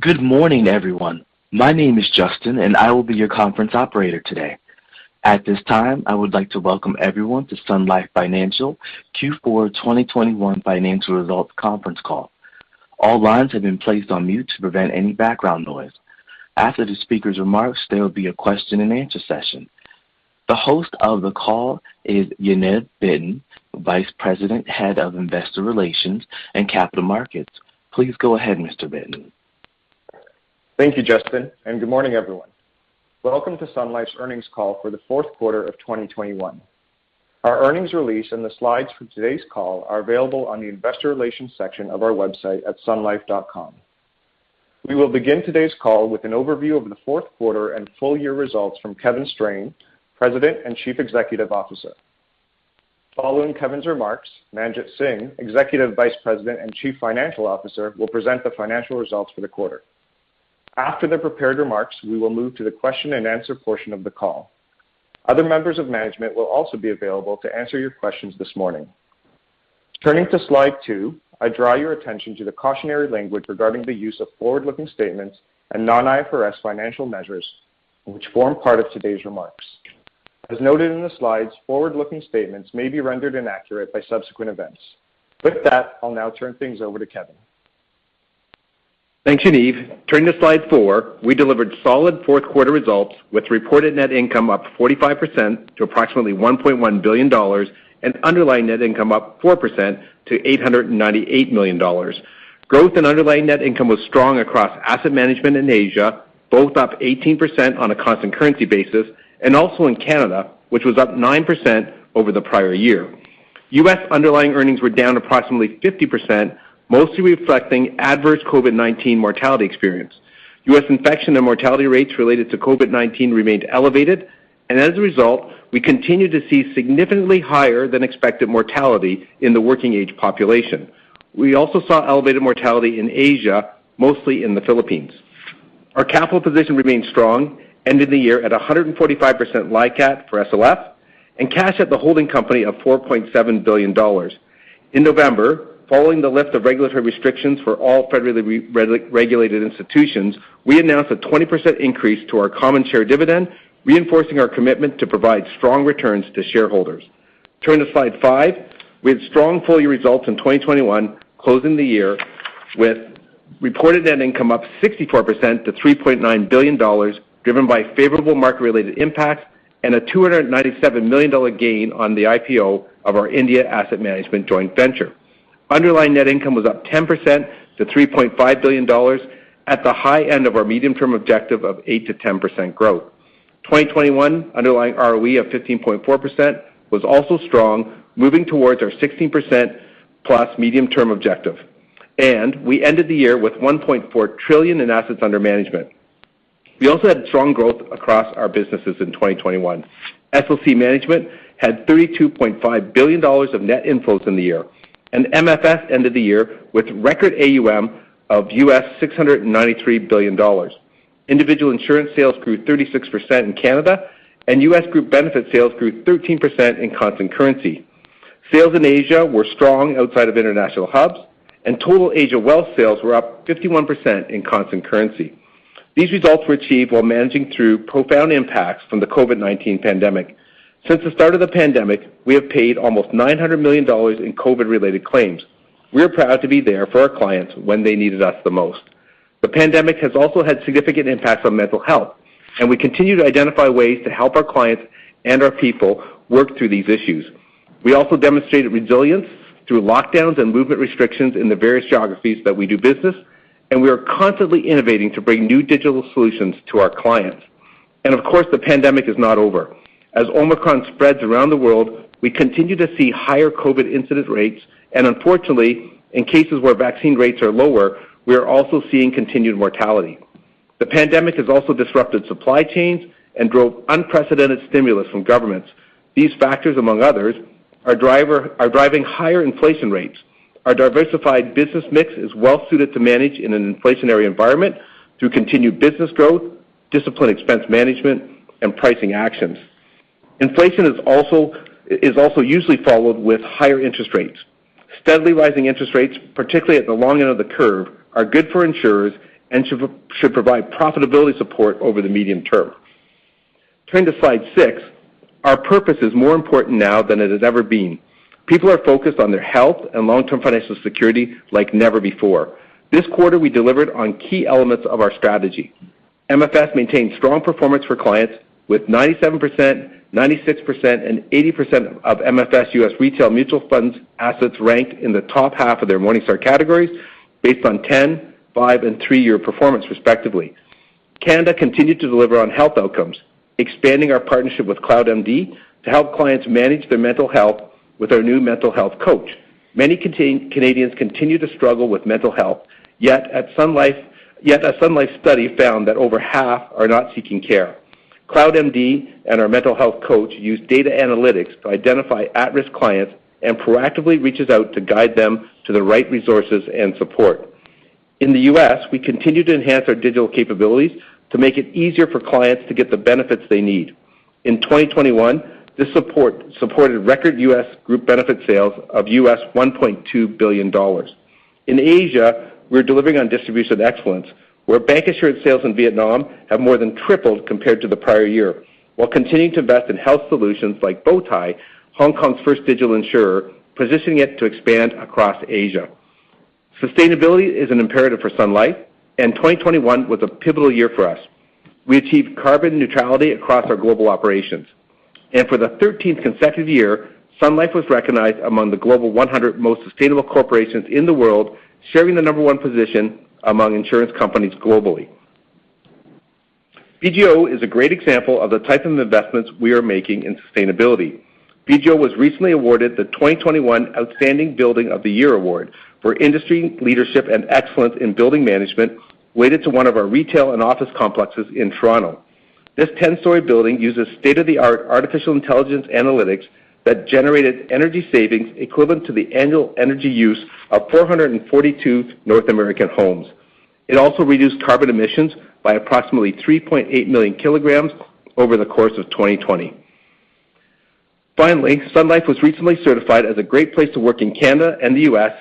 Good morning, everyone. My name is Justin, and I will be your conference operator today. At this time, I would like to welcome everyone to Sun Life Financial Q4 2021 financial results conference call. All lines have been placed on mute to prevent any background noise. After the speaker's remarks, there will be a question-and-answer session. The host of the call is Yaniv Bitton, Vice President, Head of Investor Relations and Capital Markets. Please go ahead, Mr. Bitton. Thank you, Justin, and good morning, everyone. Welcome to Sun Life's earnings call for the fourth quarter of 2021. Our earnings release and the slides for today's call are available on the Investor Relations section of our website at sunlife.com. We will begin today's call with an overview of the fourth quarter and full year results from Kevin Strain, President and Chief Executive Officer. Following Kevin's remarks, Manjit Singh, Executive Vice President and Chief Financial Officer, will present the financial results for the quarter. After the prepared remarks, we will move to the question-and-answer portion of the call. Other members of management will also be available to answer your questions this morning. Turning to Slide 2, I draw your attention to the cautionary language regarding the use of forward-looking statements and non-IFRS financial measures which form part of today's remarks. As noted in the slides, forward-looking statements may be rendered inaccurate by subsequent events. With that, I'll now turn things over to Kevin. Thanks, Yaniv. Turning to Slide 4, we delivered solid fourth quarter results with reported net income up 45% to approximately 1.1 billion dollars and underlying net income up 4% to 898 million dollars. Growth in underlying net income was strong across asset management in Asia, both up 18% on a constant currency basis, and also in Canada, which was up 9% over the prior year. U.S. underlying earnings were down approximately 50%, mostly reflecting adverse COVID-19 mortality experience. U.S. infection and mortality rates related to COVID-19 remained elevated, and as a result, we continued to see significantly higher than expected mortality in the working age population. We also saw elevated mortality in Asia, mostly in the Philippines. Our capital position remained strong, ending the year at 145% LICAT for SLF and cash at the holding company of 4.7 billion dollars. In November, following the lift of regulatory restrictions for all federally regulated institutions, we announced a 20% increase to our common share dividend, reinforcing our commitment to provide strong returns to shareholders. Turn to Slide 5. We had strong full-year results in 2021, closing the year with reported net income up 64% to 3.9 billion dollars, driven by favorable market-related impacts and a 297 million dollar gain on the IPO of our India asset management joint venture. Underlying net income was up 10% to 3.5 billion dollars at the high end of our medium-term objective of 8%-10% growth. 2021 underlying ROE of 15.4% was also strong, moving towards our 16%+ medium-term objective. We ended the year with 1.4 trillion in assets under management. We also had strong growth across our businesses in 2021. SLC Management had 32.5 billion dollars of net inflows in the year, and MFS ended the year with record AUM of $693 billion. Individual insurance sales grew 36% in Canada, and U.S. group benefit sales grew 13% in constant currency. Sales in Asia were strong outside of international hubs, and total Asia wealth sales were up 51% in constant currency. These results were achieved while managing through profound impacts from the COVID-19 pandemic. Since the start of the pandemic, we have paid almost 900 million dollars in COVID-related claims. We are proud to be there for our clients when they needed us the most. The pandemic has also had significant impacts on mental health, and we continue to identify ways to help our clients and our people work through these issues. We also demonstrated resilience through lockdowns and movement restrictions in the various geographies that we do business, and we are constantly innovating to bring new digital solutions to our clients. Of course, the pandemic is not over. As Omicron spreads around the world, we continue to see higher COVID incident rates, and unfortunately, in cases where vaccine rates are lower, we are also seeing continued mortality. The pandemic has also disrupted supply chains and drove unprecedented stimulus from governments. These factors, among others, are driving higher inflation rates. Our diversified business mix is well suited to manage in an inflationary environment through continued business growth, disciplined expense management, and pricing actions. Inflation is also usually followed with higher interest rates. Steadily rising interest rates, particularly at the long end of the curve, are good for insurers and should provide profitability support over the medium term. Turning to Slide 6, our purpose is more important now than it has ever been. People are focused on their health and long-term financial security like never before. This quarter, we delivered on key elements of our strategy. MFS maintained strong performance for clients with 97%, 96%, and 80% of MFS U.S. retail mutual funds assets ranked in the top half of their Morningstar categories based on 10-, five-, and three-year performance, respectively. Canada continued to deliver on health outcomes, expanding our partnership with CloudMD to help clients manage their mental health with our new mental health coach. Many Canadians continue to struggle with mental health, yet a Sun Life study found that over half are not seeking care. CloudMD and our mental health coach use data analytics to identify at-risk clients and proactively reaches out to guide them to the right resources and support. In the U.S., we continue to enhance our digital capabilities to make it easier for clients to get the benefits they need. In 2021, this support supported record U.S. group benefit sales of $1.2 billion. In Asia, we're delivering on distribution excellence, where bancassurance sales in Vietnam have more than tripled compared to the prior year, while continuing to invest in health solutions like Bowtie, Hong Kong's first digital insurer, positioning it to expand across Asia. Sustainability is an imperative for Sun Life, and 2021 was a pivotal year for us. We achieved carbon neutrality across our global operations. For the 13th consecutive year, Sun Life was recognized among the global 100 most sustainable corporations in the world, sharing the No. one position among insurance companies globally. BGO is a great example of the type of investments we are making in sustainability. BGO was recently awarded the 2021 Outstanding Building of the Year Award for industry leadership and excellence in building management dedicated to one of our retail and office complexes in Toronto. This 10-story building uses state-of-the-art artificial intelligence analytics that generated energy savings equivalent to the annual energy use of 442 North American homes. It also reduced carbon emissions by approximately 3.8 million kilograms over the course of 2020. Finally, Sun Life was recently certified as a great place to work in Canada and the U.S.,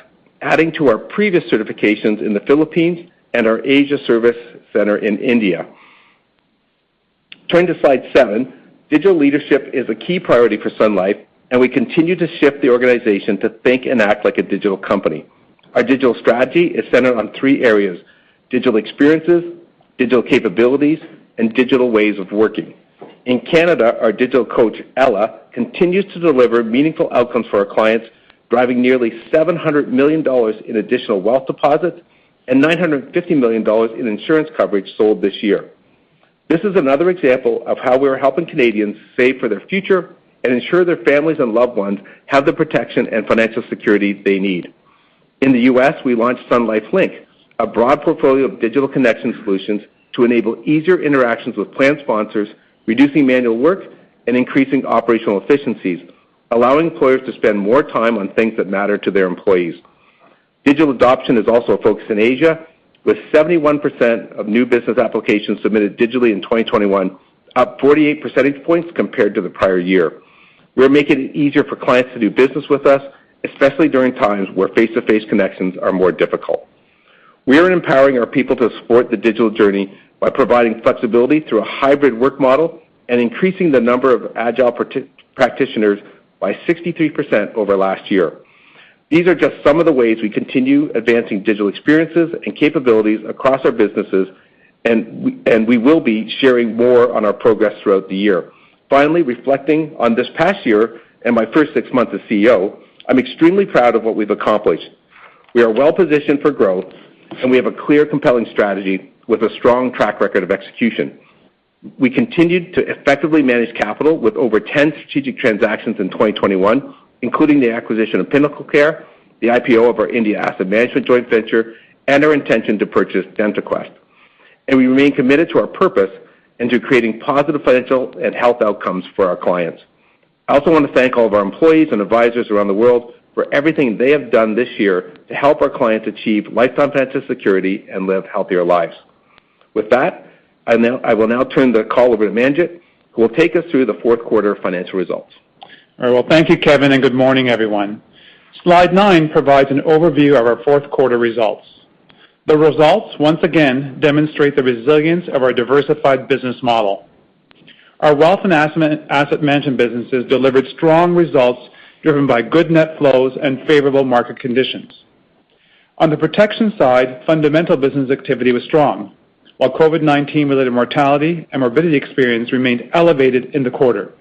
adding to our previous certifications in the Philippines and our Asia service center in India. Turning to Slide 7. Digital leadership is a key priority for Sun Life, and we continue to shift the organization to think and act like a digital company. Our digital strategy is centered on three areas, digital experiences, digital capabilities, and digital ways of working. In Canada, our digital coach, Ella, continues to deliver meaningful outcomes for our clients, driving nearly 700 million dollars in additional wealth deposits and 950 million dollars in insurance coverage sold this year. This is another example of how we are helping Canadians save for their future and ensure their families and loved ones have the protection and financial security they need. In the U.S., we launched Sun Life Link, a broad portfolio of digital connection solutions to enable easier interactions with plan sponsors, reducing manual work and increasing operational efficiencies, allowing employers to spend more time on things that matter to their employees. Digital adoption is also a focus in Asia, with 71% of new business applications submitted digitally in 2021, up 48 percentage points compared to the prior year. We're making it easier for clients to do business with us, especially during times where face-to-face connections are more difficult. We are empowering our people to support the digital journey by providing flexibility through a hybrid work model and increasing the number of agile practitioners by 63% over last year. These are just some of the ways we continue advancing digital experiences and capabilities across our businesses, and we will be sharing more on our progress throughout the year. Finally, reflecting on this past year and my first six months as CEO, I'm extremely proud of what we've accomplished. We are well-positioned for growth, and we have a clear, compelling strategy with a strong track record of execution. We continued to effectively manage capital with over 10 strategic transactions in 2021, including the acquisition of PinnacleCare, the IPO of our India Asset Management joint venture, and our intention to purchase DentaQuest. We remain committed to our purpose and to creating positive financial and health outcomes for our clients. I also want to thank all of our employees and advisors around the world for everything they have done this year to help our clients achieve lifetime financial security and live healthier lives. With that, I will now turn the call over to Manjit, who will take us through the fourth quarter financial results. All right. Well, thank you, Kevin, and good morning, everyone. Slide 9 provides an overview of our fourth quarter results. The results once again demonstrate the resilience of our diversified business model. Our wealth and asset management businesses delivered strong results driven by good net flows and favorable market conditions. On the protection side, fundamental business activity was strong, while COVID-19-related mortality and morbidity experience remained elevated in the quarter.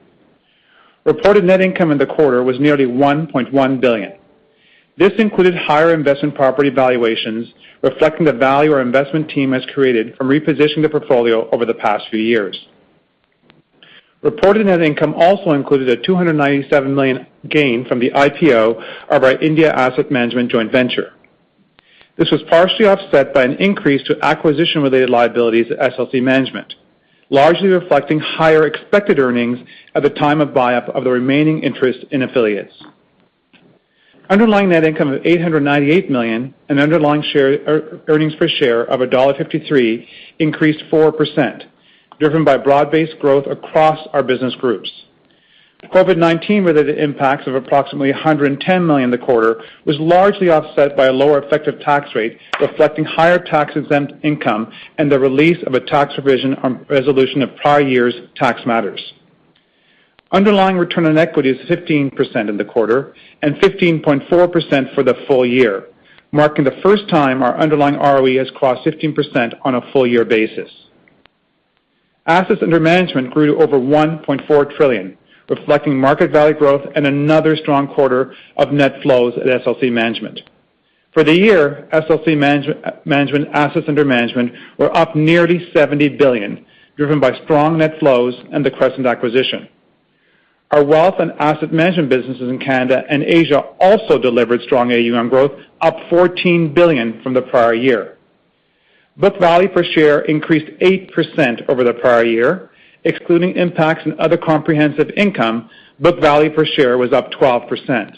Reported net income in the quarter was nearly 1.1 billion. This included higher investment property valuations, reflecting the value our investment team has created from repositioning the portfolio over the past few years. Reported net income also included a 297 million gain from the IPO of our India Asset Management joint venture. This was partially offset by an increase to acquisition-related liabilities at SLC Management, largely reflecting higher expected earnings at the time of buyout of the remaining interest in affiliates. Underlying net income of 898 million and underlying basic earnings per share of dollar 1.53 increased 4%, driven by broad-based growth across our business groups. The COVID-19-related impacts of approximately 110 million in the quarter was largely offset by a lower effective tax rate, reflecting higher tax-exempt income and the release of a tax provision on resolution of prior year's tax matters. Underlying return on equity is 15% in the quarter and 15.4% for the full year, marking the first time our underlying ROE has crossed 15% on a full-year basis. Assets under management grew to over 1.4 trillion, reflecting market value growth and another strong quarter of net flows at SLC Management. For the year, SLC Management assets under management were up nearly 70 billion, driven by strong net flows and the Crescent acquisition. Our wealth and asset management businesses in Canada and Asia also delivered strong AUM growth, up 14 billion from the prior year. Book value per share increased 8% over the prior year. Excluding impacts in other comprehensive income, book value per share was up 12%.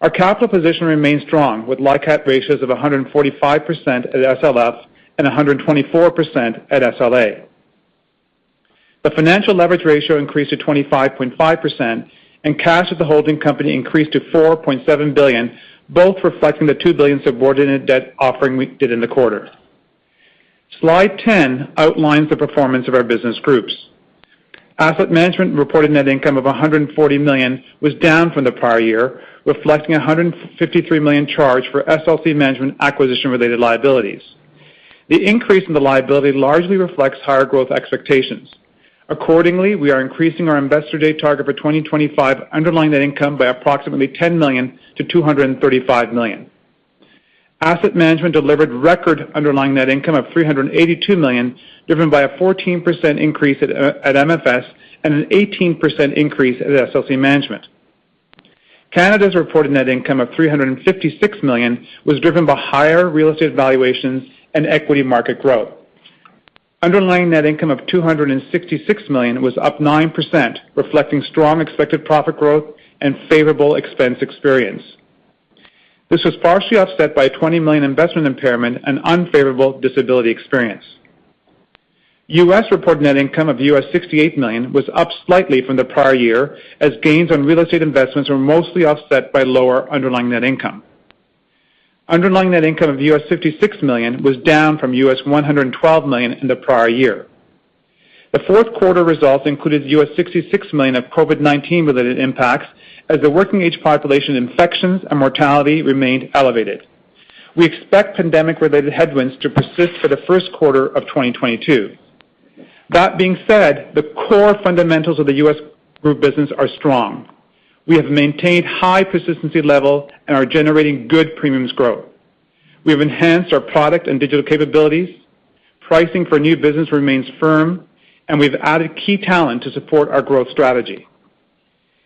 Our capital position remains strong, with LICAT ratios of 145% at SLF and 124% at SLA. The financial leverage ratio increased to 25.5% and cash at the holding company increased to 4.7 billion, both reflecting the 2 billion subordinated debt offering we did in the quarter. Slide 10 outlines the performance of our business groups. Asset Management reported net income of 140 million was down from the prior year, reflecting a 153 million charge for SLC Management acquisition related liabilities. The increase in the liability largely reflects higher growth expectations. Accordingly, we are increasing our investor day target for 2025 underlying net income by approximately 10 million to 235 million. Asset Management delivered record underlying net income of 382 million, driven by a 14% increase at MFS and an 18% increase at SLC Management. Canada's reported net income of 356 million was driven by higher real estate valuations and equity market growth. Underlying net income of 266 million was up 9%, reflecting strong expected profit growth and favorable expense experience. This was partially offset by a 20 million investment impairment and unfavorable disability experience. U.S. reported net income of CAD 68 million was up slightly from the prior year as gains on real estate investments were mostly offset by lower underlying net income. Underlying net income of CAD 56 million was down from CAD 112 million in the prior year. The fourth quarter results included CAD 66 million of COVID-19-related impacts as the working age population infections and mortality remained elevated. We expect pandemic-related headwinds to persist for the first quarter of 2022. That being said, the core fundamentals of the U.S. Group business are strong. We have maintained high persistency levels and are generating good premiums growth. We have enhanced our product and digital capabilities, pricing for new business remains firm, and we've added key talent to support our growth strategy.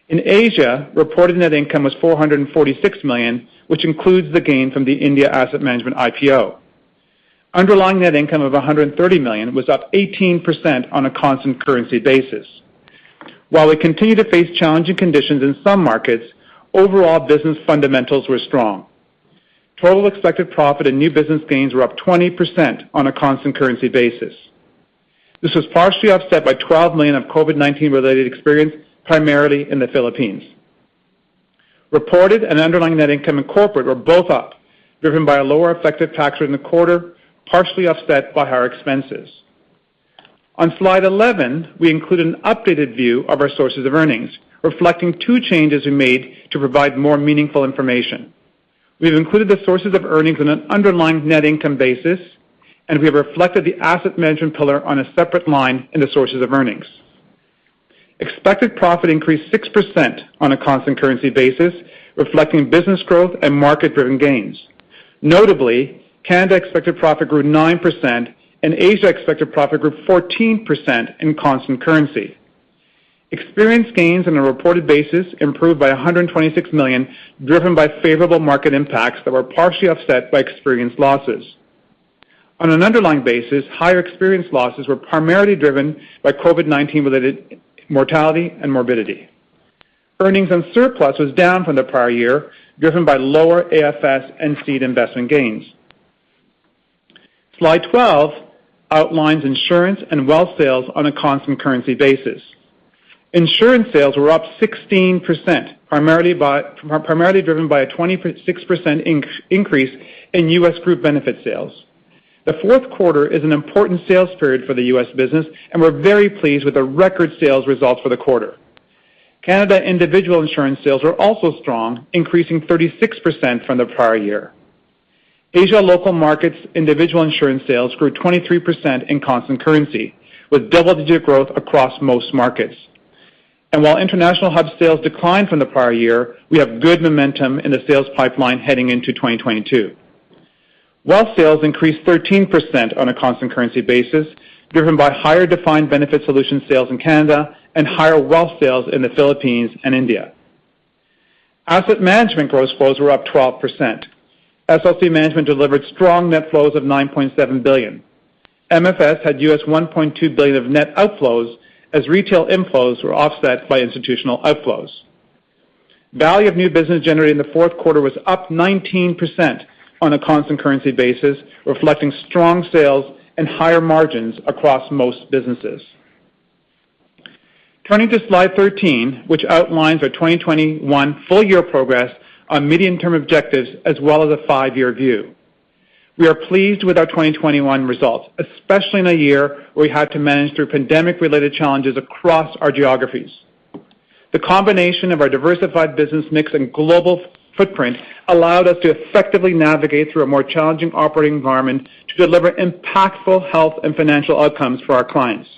In Asia, reported net income was 446 million, which includes the gain from the India Asset Management IPO. Underlying net income of 130 million was up 18% on a constant currency basis. While we continue to face challenging conditions in some markets, overall business fundamentals were strong. Total expected profit and new business gains were up 20% on a constant currency basis. This was partially offset by 12 million of COVID-19-related experience, primarily in the Philippines. Reported and underlying net income in corporate were both up, driven by a lower effective tax rate in the quarter, partially offset by higher expenses. On Slide 11, we include an updated view of our sources of earnings, reflecting two changes we made to provide more meaningful information. We've included the sources of earnings on an underlying net income basis, and we have reflected the asset management pillar on a separate line in the sources of earnings. Expected profit increased 6% on a constant currency basis, reflecting business growth and market driven gains. Notably, Canada expected profit grew 9% and Asia expected profit grew 14% in constant currency. Experience gains on a reported basis improved by 126 million, driven by favorable market impacts that were partially offset by experience losses. On an underlying basis, higher experience losses were primarily driven by COVID-19-related mortality and morbidity. Earnings on surplus was down from the prior year, driven by lower AFS and seed investment gains. Slide 12 outlines insurance and wealth sales on a constant currency basis. Insurance sales were up 16%, primarily driven by a 26% increase in U.S. Group Benefits sales. The fourth quarter is an important sales period for the U.S. business, and we're very pleased with the record sales results for the quarter. Canada individual insurance sales were also strong, increasing 36% from the prior year. Asia local markets individual insurance sales grew 23% in constant currency, with double-digit growth across most markets. While international hub sales declined from the prior year, we have good momentum in the sales pipeline heading into 2022. Wealth sales increased 13% on a constant currency basis, driven by higher defined benefit solution sales in Canada and higher wealth sales in the Philippines and India. Asset Management gross flows were up 12%. SLC Management delivered strong net flows of 9.7 billion. MFS had $1.2 billion of net outflows as retail inflows were offset by institutional outflows. Value of new business generated in the fourth quarter was up 19% on a constant currency basis, reflecting strong sales and higher margins across most businesses. Turning to Slide 13, which outlines our 2021 full-year progress on medium-term objectives as well as a five-year view. We are pleased with our 2021 results, especially in a year where we had to manage through pandemic-related challenges across our geographies. The combination of our diversified business mix and global footprint allowed us to effectively navigate through a more challenging operating environment to deliver impactful health and financial outcomes for our clients.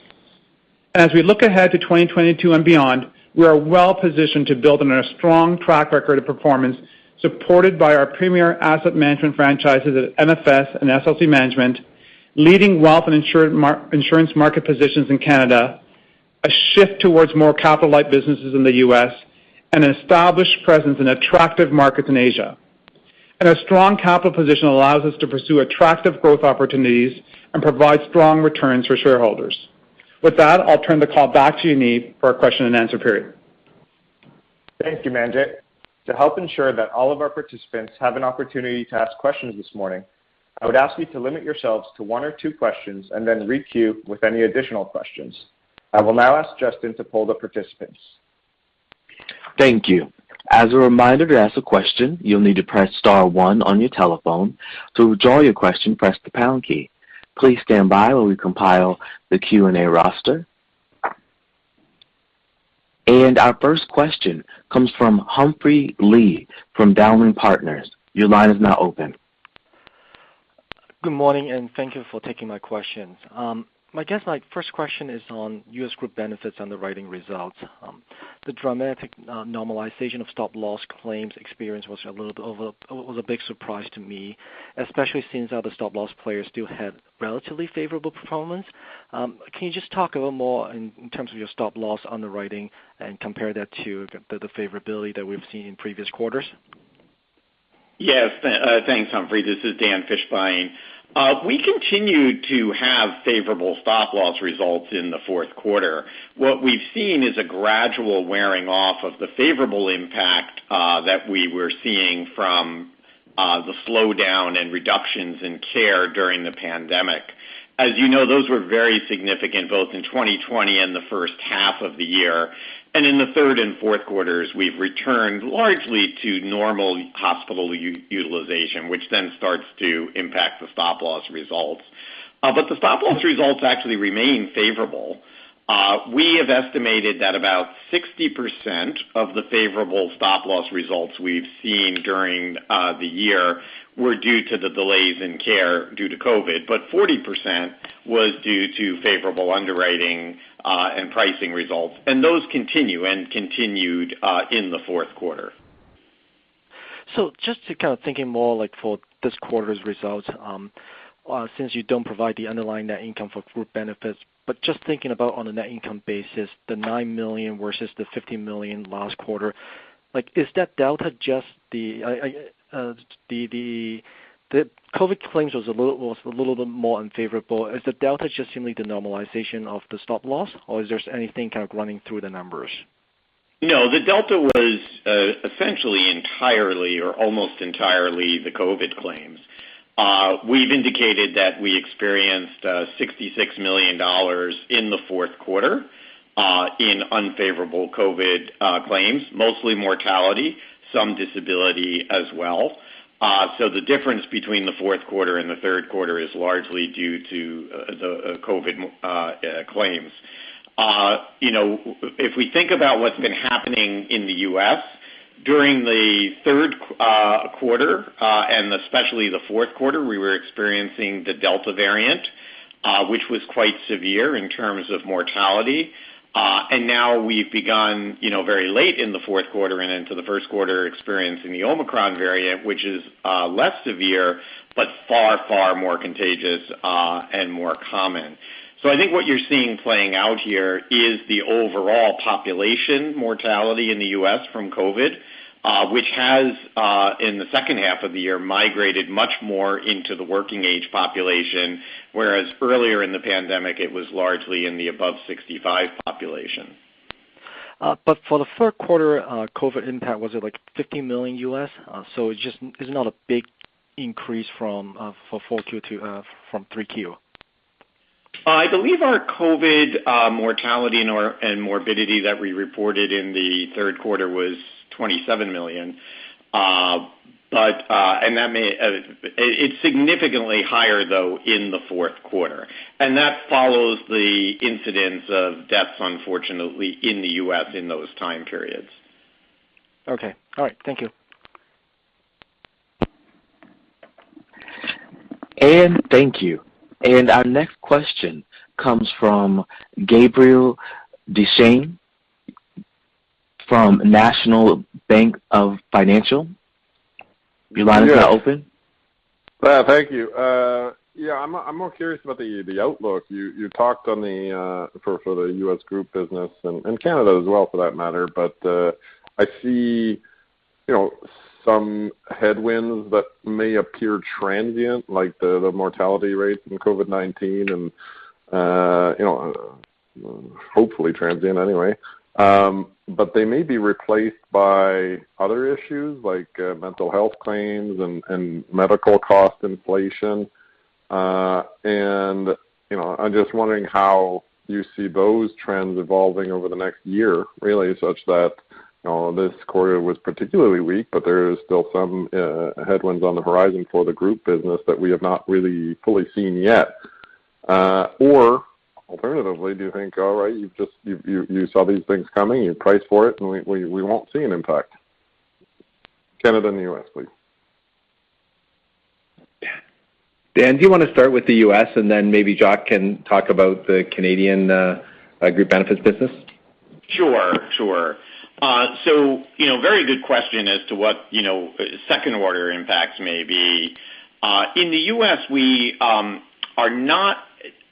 As we look ahead to 2022 and beyond, we are well positioned to build on our strong track record of performance supported by our premier asset management franchises at MFS and SLC Management, leading wealth and insurance market positions in Canada, a shift towards more capital light businesses in the U.S., and an established presence in attractive markets in Asia. A strong capital position allows us to pursue attractive growth opportunities and provide strong returns for shareholders. With that, I'll turn the call back to you, Yaniv, for our question and answer period. Thank you, Manjit. To help ensure that all of our participants have an opportunity to ask questions this morning, I would ask you to limit yourselves to one or two questions and then re-queue with any additional questions. I will now ask Justin to poll the participants. Thank you. As a reminder, to ask a question, you'll need to press star one on your telephone. To withdraw your question, press the pound key. Please stand by while we compile the Q&A roster. Our first question comes from Humphrey Lee from Dowling & Partners. Your line is now open. Good morning, and thank you for taking my questions. I guess my first question is on U.S. Group Benefits underwriting results. The dramatic normalization of stop-loss claims experience was a big surprise to me, especially since other stop-loss players still had relatively favorable performance. Can you just talk a little more in terms of your stop-loss underwriting and compare that to the favorability that we've seen in previous quarters? Yes. Thanks, Humphrey. This is Dan Fishbein. We continue to have favorable stop-loss results in the fourth quarter. What we've seen is a gradual wearing off of the favorable impact that we were seeing from the slowdown and reductions in care during the pandemic. As you know, those were very significant both in 2020 and the first half of the year. In the third and fourth quarters, we've returned largely to normal hospital utilization, which then starts to impact the stop-loss results. The stop-loss results actually remain favorable. We have estimated that about 60% of the favorable stop-loss results we've seen during the year were due to the delays in care due to COVID, but 40% was due to favorable underwriting and pricing results, and those continue and continued in the fourth quarter. Just to kind of thinking more like for this quarter's results, since you don't provide the underlying net income for group benefits, but just thinking about on a net income basis, 9 million versus 50 million last quarter, like is that delta just the... The COVID claims was a little bit more unfavorable. Is the delta just simply the normalization of the stop-loss, or is there anything kind of running through the numbers? No, the delta was essentially entirely or almost entirely the COVID claims. We've indicated that we experienced $66 million in the fourth quarter in unfavorable COVID claims, mostly mortality, some disability as well. The difference between the fourth quarter and the third quarter is largely due to the COVID claims. You know, if we think about what's been happening in the U.S. during the third quarter and especially the fourth quarter, we were experiencing the Delta variant, which was quite severe in terms of mortality. Now we've begun, you know, very late in the fourth quarter and into the first quarter experiencing the Omicron variant, which is less severe, but far, far more contagious and more common. I think what you're seeing playing out here is the overall population mortality in the U.S. from COVID, which has, in the second half of the year, migrated much more into the working age population, whereas earlier in the pandemic, it was largely in the above 65 population. For the fourth quarter COVID impact, was it like $50 million? It just is not a big increase from Q3 to Q4. I believe our COVID mortality and morbidity that we reported in the third quarter was 27 million. It's significantly higher though in the fourth quarter, and that follows the incidence of deaths, unfortunately, in the U.S. in those time periods. Okay. All right. Thank you. Thank you. Our next question comes from Gabriel Dechaine from National Bank Financial. Your line is now open. Thank you. Yeah, I'm more curious about the outlook. You talked about the outlook for the U.S. group business and Canada as well for that matter, but I see, you know, some headwinds that may appear transient, like the mortality rates in COVID-19 and, you know, hopefully transient anyway. They may be replaced by other issues like mental health claims and medical cost inflation. You know, I'm just wondering how you see those trends evolving over the next year, really, such that, you know, this quarter was particularly weak, but there is still some headwinds on the horizon for the group business that we have not really fully seen yet. Alternatively, do you think, all right, you saw these things coming, you priced for it, and we won't see an impact? Canada and the U.S., please. Dan, do you wanna start with the U.S., and then maybe Jacques can talk about the Canadian group benefits business? Sure. So, you know, very good question as to what, you know, second order impacts may be. In the U.S., we are not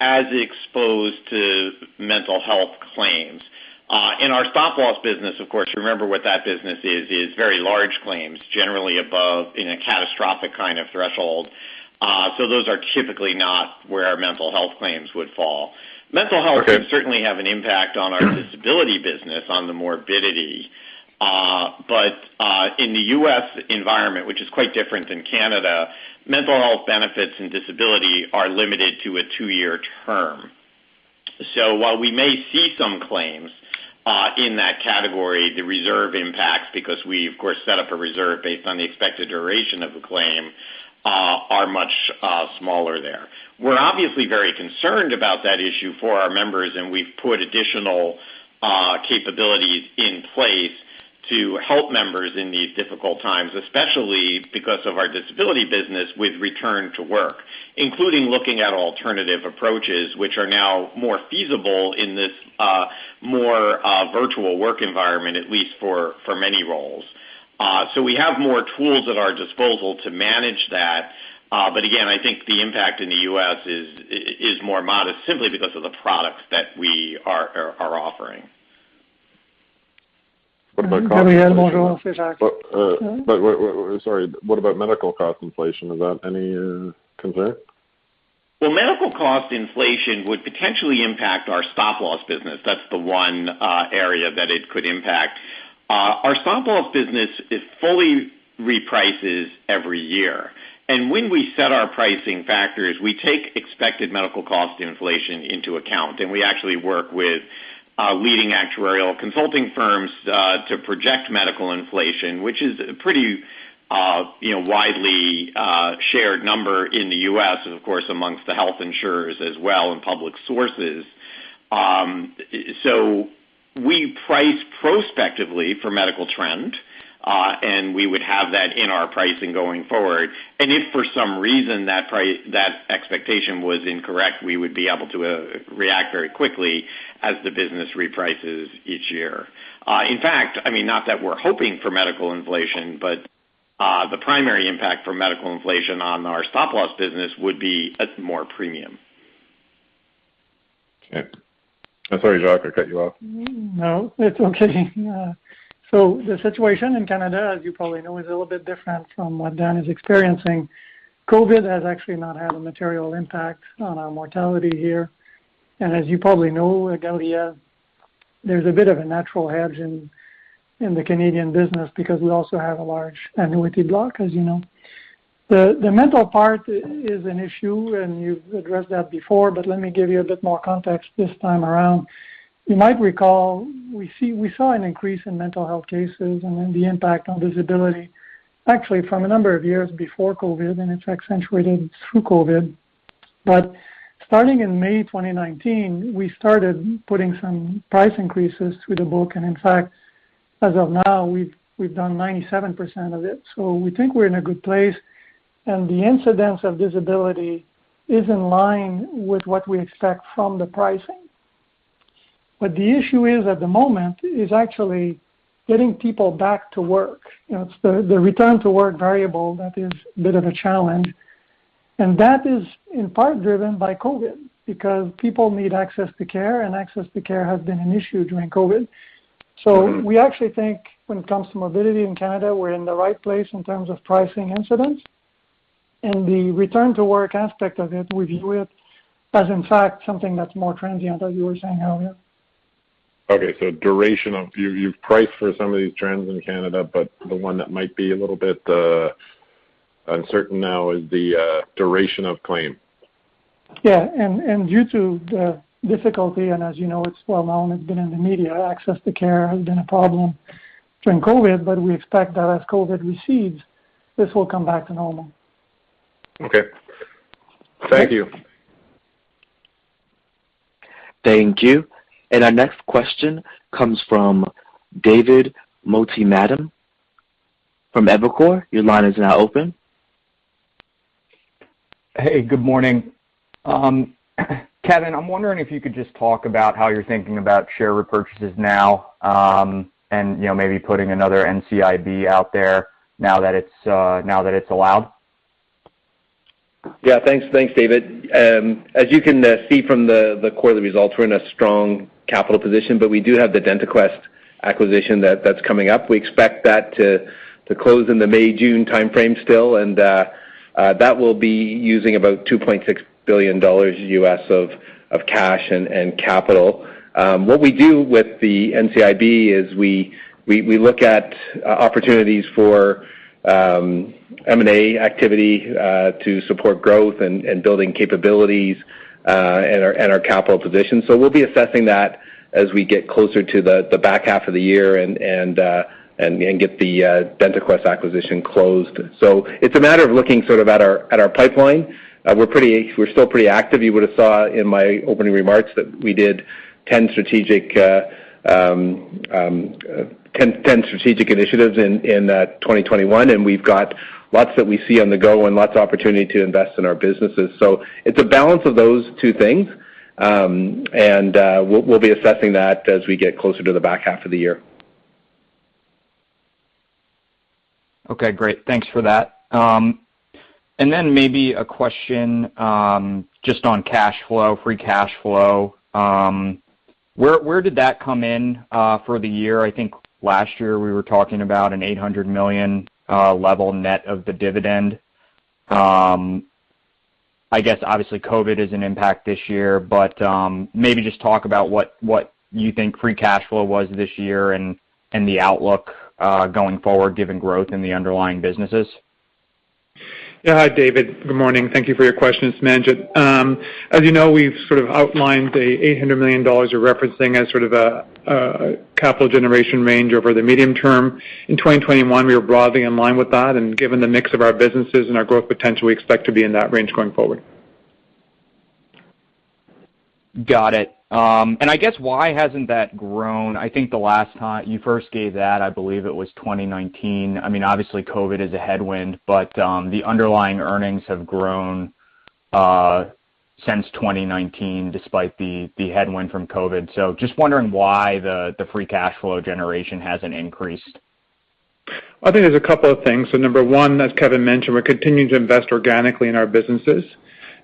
as exposed to mental health claims. In our stop-loss business, of course, you remember what that business is, very large claims, generally above in a catastrophic kind of threshold. So those are typically not where our mental health claims would fall. Okay. Mental health can certainly have an impact on our disability business, on the morbidity. In the U.S. environment, which is quite different than Canada, mental health benefits and disability are limited to a two-year term. While we may see some claims in that category, the reserve impacts, because we of course set up a reserve based on the expected duration of a claim, are much smaller there. We're obviously very concerned about that issue for our members, and we've put additional capabilities in place to help members in these difficult times, especially because of our disability business with return to work, including looking at alternative approaches which are now more feasible in this more virtual work environment, at least for many roles. We have more tools at our disposal to manage that. Again, I think the impact in the U.S. is more modest simply because of the products that we are offering. What about cost inflation? Gabriel, maybe you want to say something. Wait. Sorry. What about medical cost inflation? Is that any concern? Well, medical cost inflation would potentially impact our stop-loss business. That's the one area that it could impact. Our stop-loss business fully reprices every year, and when we set our pricing factors, we take expected medical cost inflation into account, and we actually work with leading actuarial consulting firms to project medical inflation, which is pretty widely shared number in the U.S. and of course, amongst the health insurers as well, and public sources. We price prospectively for medical trend, and we would have that in our pricing going forward. If for some reason that expectation was incorrect, we would be able to react very quickly as the business reprices each year. In fact, I mean, not that we're hoping for medical inflation, but the primary impact for medical inflation on our stop-loss business would be a more premium. Okay. I'm sorry, Jacques, I cut you off. No, it's okay. The situation in Canada, as you probably know, is a little bit different from what Dan is experiencing. COVID has actually not had a material impact on our mortality here. As you probably know, at Canada, there's a bit of a natural hedge in the Canadian business because we also have a large annuity block, as you know. The mental part is an issue, and you've addressed that before, but let me give you a bit more context this time around. You might recall, we saw an increase in mental health cases and then the impact on disability actually from a number of years before COVID, and it's accentuated through COVID. Starting in May 2019, we started putting some price increases through the book. In fact, as of now, we've done 97% of it. We think we're in a good place. The incidence of disability is in line with what we expect from the pricing. The issue is, at the moment, is actually getting people back to work. You know, it's the return to work variable that is a bit of a challenge, and that is in part driven by COVID because people need access to care, and access to care has been an issue during COVID. We actually think when it comes to mobility in Canada, we're in the right place in terms of pricing incidence. The return to work aspect of it, we view it as in fact something that's more transient, as you were saying earlier. You've priced for some of these trends in Canada, but the one that might be a little bit uncertain now is the duration of claim. Yeah. Due to the difficulty, and as you know, it's well known, it's been in the media, access to care has been a problem during COVID, but we expect that as COVID recedes, this will come back to normal. Okay. Thank you. Thank you. Our next question comes from David Motemaden from Evercore ISI. Your line is now open. Hey, good morning. Kevin, I'm wondering if you could just talk about how you're thinking about share repurchases now, and, you know, maybe putting another NCIB out there now that it's allowed. Yeah, thanks. Thanks, David. As you can see from the quarterly results, we're in a strong capital position, but we do have the DentaQuest acquisition that's coming up. We expect that to close in the May-June timeframe still. That will be using about $2.6 billion of cash and capital. What we do with the NCIB is we look at opportunities for M&A activity to support growth and building capabilities and our capital position. We'll be assessing that as we get closer to the back half of the year and get the DentaQuest acquisition closed. It's a matter of looking sort of at our pipeline. We're still pretty active. You would have saw in my opening remarks that we did 10 strategic initiatives in 2021, and we've got lots that we see on the go and lots of opportunity to invest in our businesses. It's a balance of those two things. We'll be assessing that as we get closer to the back half of the year. Okay, great. Thanks for that. And then maybe a question just on cash flow, free cash flow. Where did that come in for the year? I think last year we were talking about a 800 million level net of the dividend. I guess obviously COVID is an impact this year, but maybe just talk about what you think free cash flow was this year and the outlook going forward, given growth in the underlying businesses. Yeah. Hi, David. Good morning. Thank you for your questions. It's Manjit. As you know, we've sort of outlined the 800 million dollars you're referencing as sort of a capital generation range over the medium term. In 2021, we are broadly in line with that, and given the mix of our businesses and our growth potential, we expect to be in that range going forward. Got it. I guess why hasn't that grown? I think the last time you first gave that, I believe it was 2019. I mean, obviously COVID is a headwind, but the underlying earnings have grown since 2019 despite the headwind from COVID. Just wondering why the free cash flow generation hasn't increased. I think there's a couple of things. Number one, as Kevin mentioned, we're continuing to invest organically in our businesses,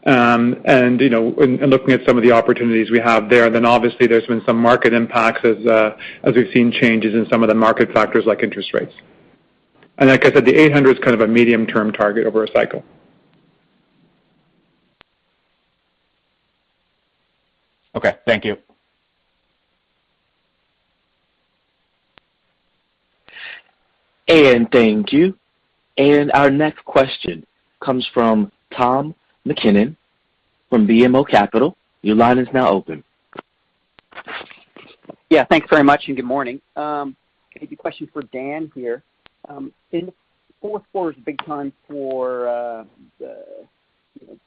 and, you know, looking at some of the opportunities we have there. Obviously there's been some market impacts as we've seen changes in some of the market factors like interest rates. Like I said, the 800 is kind of a medium-term target over a cycle. Okay, thank you. Thank you. Our next question comes from Tom MacKinnon from BMO Capital. Your line is now open. Yeah, thanks very much, and good morning. Maybe a question for Dan here. In the fourth quarter is a big time for the you know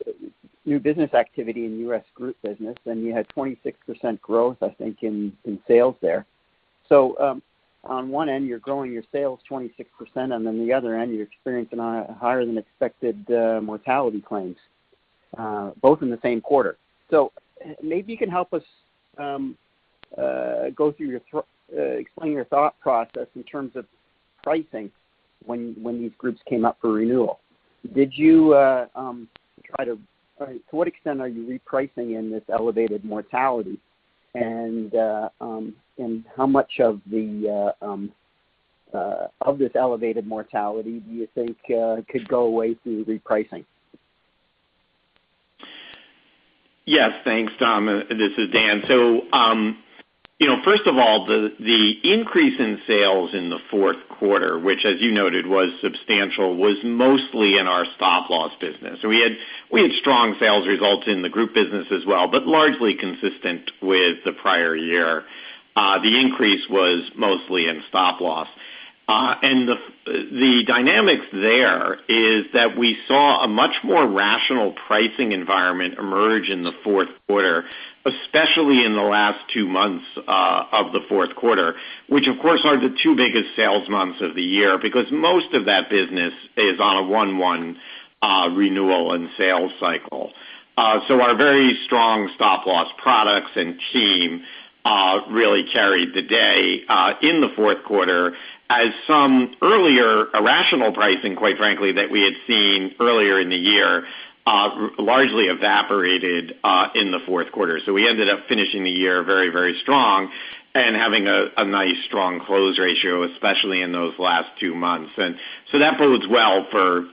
new business activity in U.S. group business, and you had 26% growth, I think, in sales there. On one end you're growing your sales 26%, and then the other end you're experiencing a higher than expected mortality claims both in the same quarter. Maybe you can help us explain your thought process in terms of pricing when these groups came up for renewal. Did you to what extent are you repricing in this elevated mortality? And how much of this elevated mortality do you think could go away through repricing? Yes, thanks, Tom. This is Dan. You know, first of all, the increase in sales in the fourth quarter, which as you noted was substantial, was mostly in our stop-loss business. We had strong sales results in the group business as well, but largely consistent with the prior year. The increase was mostly in stop-loss. The dynamics there is that we saw a much more rational pricing environment emerge in the fourth quarter, especially in the last two months of the fourth quarter, which of course are the two biggest sales months of the year, because most of that business is on a one-year renewal and sales cycle. Our very strong stop-loss products and team really carried the day in the fourth quarter as some earlier irrational pricing, quite frankly, that we had seen earlier in the year largely evaporated in the fourth quarter. We ended up finishing the year very, very strong and having a nice, strong close ratio, especially in those last two months. That bodes well for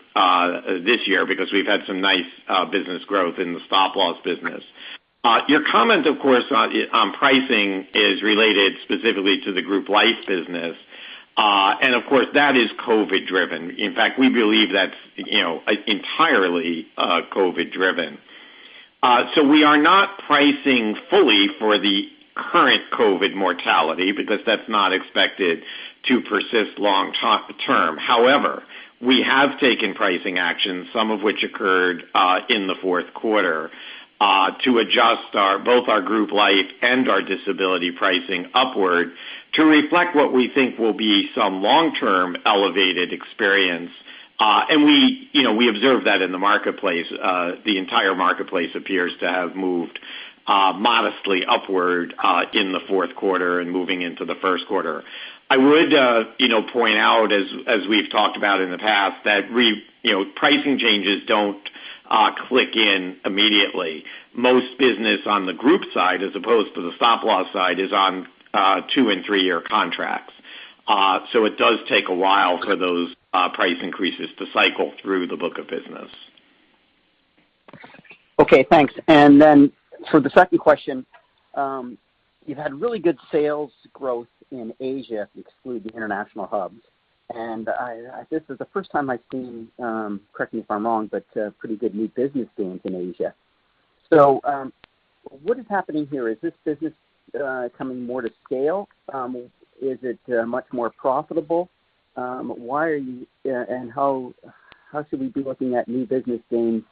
this year because we've had some nice business growth in the stop-loss business. Your comment, of course, on pricing is related specifically to the group life business. And of course, that is COVID driven. In fact, we believe that's, you know, entirely COVID driven. We are not pricing fully for the current COVID mortality because that's not expected to persist long term. However, we have taken pricing actions, some of which occurred in the fourth quarter to adjust both our group life and our disability pricing upward to reflect what we think will be some long-term elevated experience. We, you know, observe that in the marketplace. The entire marketplace appears to have moved modestly upward in the fourth quarter and moving into the first quarter. I would, you know, point out as we've talked about in the past, that pricing changes don't kick in immediately. Most business on the group side, as opposed to the stop-loss side, is on two- and three-year contracts. It does take a while for those price increases to cycle through the book of business. Okay, thanks. For the second question, you've had really good sales growth in Asia, if you exclude the international hubs. This is the first time I've seen, correct me if I'm wrong, but, pretty good new business gains in Asia. What is happening here? Is this business coming more to scale? Is it much more profitable? Why and how should we be looking at new business gains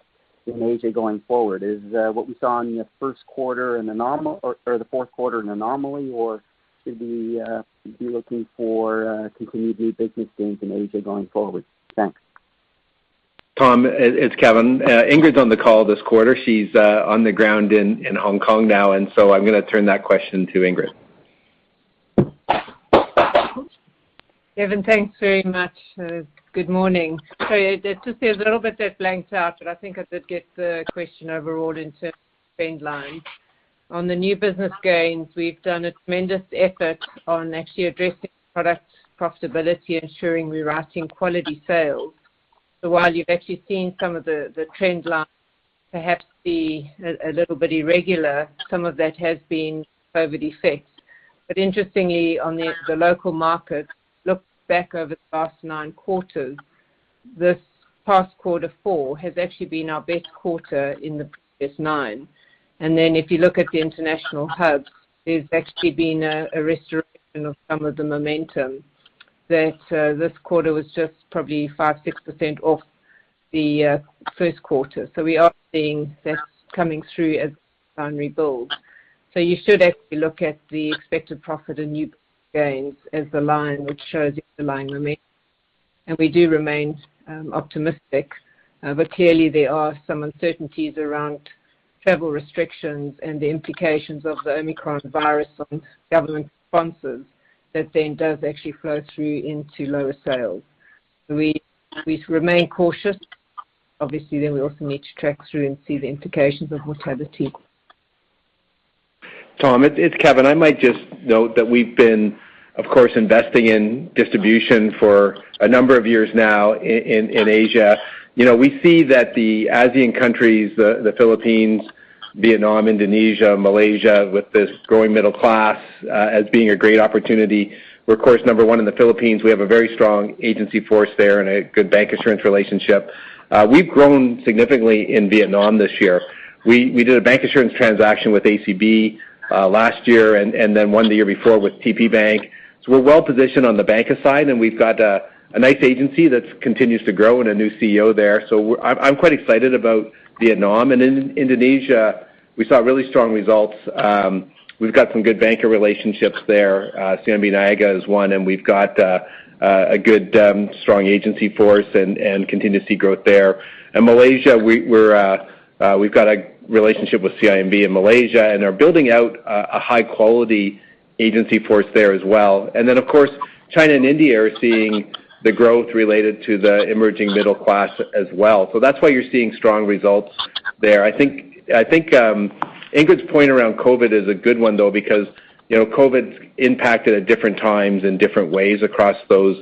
in Asia going forward? Is what we saw in the first quarter an anomaly or the fourth quarter an anomaly, or should we be looking for continued new business gains in Asia going forward? Thanks. Tom, it's Kevin. Ingrid's on the call this quarter. She's on the ground in Hong Kong now, and so I'm gonna turn that question to Ingrid. Kevin, thanks very much. Good morning. Sorry, there just seems a little bit that blanked out, but I think I did get the question overall in terms of trend line. On the new business gains, we've done a tremendous effort on actually addressing product profitability, ensuring we're writing quality sales. While you've actually seen some of the trend line perhaps be a little bit irregular, some of that has been COVID effects. Interestingly, on the local market, look back over the past nine quarters, this past quarter four has actually been our best quarter in the previous nine. Then if you look at the international hubs, there's actually been a restoration of some of the momentum that, this quarter was just probably 5%-6% off the first quarter. We are seeing that coming through as design rebuild. You should actually look at the expected profit and new gains as the line which shows the underlying momentum. We do remain optimistic. Clearly there are some uncertainties around travel restrictions and the implications of the Omicron virus on government sponsors that then does actually flow through into lower sales. We remain cautious. Obviously, we also need to track through and see the implications of hospitality. Tom, it's Kevin. I might just note that we've been, of course, investing in distribution for a number of years now in Asia. You know, we see that the ASEAN countries, the Philippines, Vietnam, Indonesia, Malaysia with this growing middle class as being a great opportunity. We're of course number one in the Philippines. We have a very strong agency force there and a good bancassurance relationship. We've grown significantly in Vietnam this year. We did a bancassurance transaction with ACB last year and then one the year before with TPBank. So we're well positioned on the banca side, and we've got a nice agency that continues to grow and a new CEO there. I'm quite excited about Vietnam. In Indonesia, we saw really strong results. We've got some good banker relationships there. CIMB Niaga is one, and we've got a good strong agency force and continue to see growth there. In Malaysia, we've got a relationship with CIMB in Malaysia and are building out a high quality agency force there as well. Of course, China and India are seeing the growth related to the emerging middle class as well. That's why you're seeing strong results there. I think Ingrid's point around COVID is a good one, though, because you know, COVID's impacted at different times in different ways across those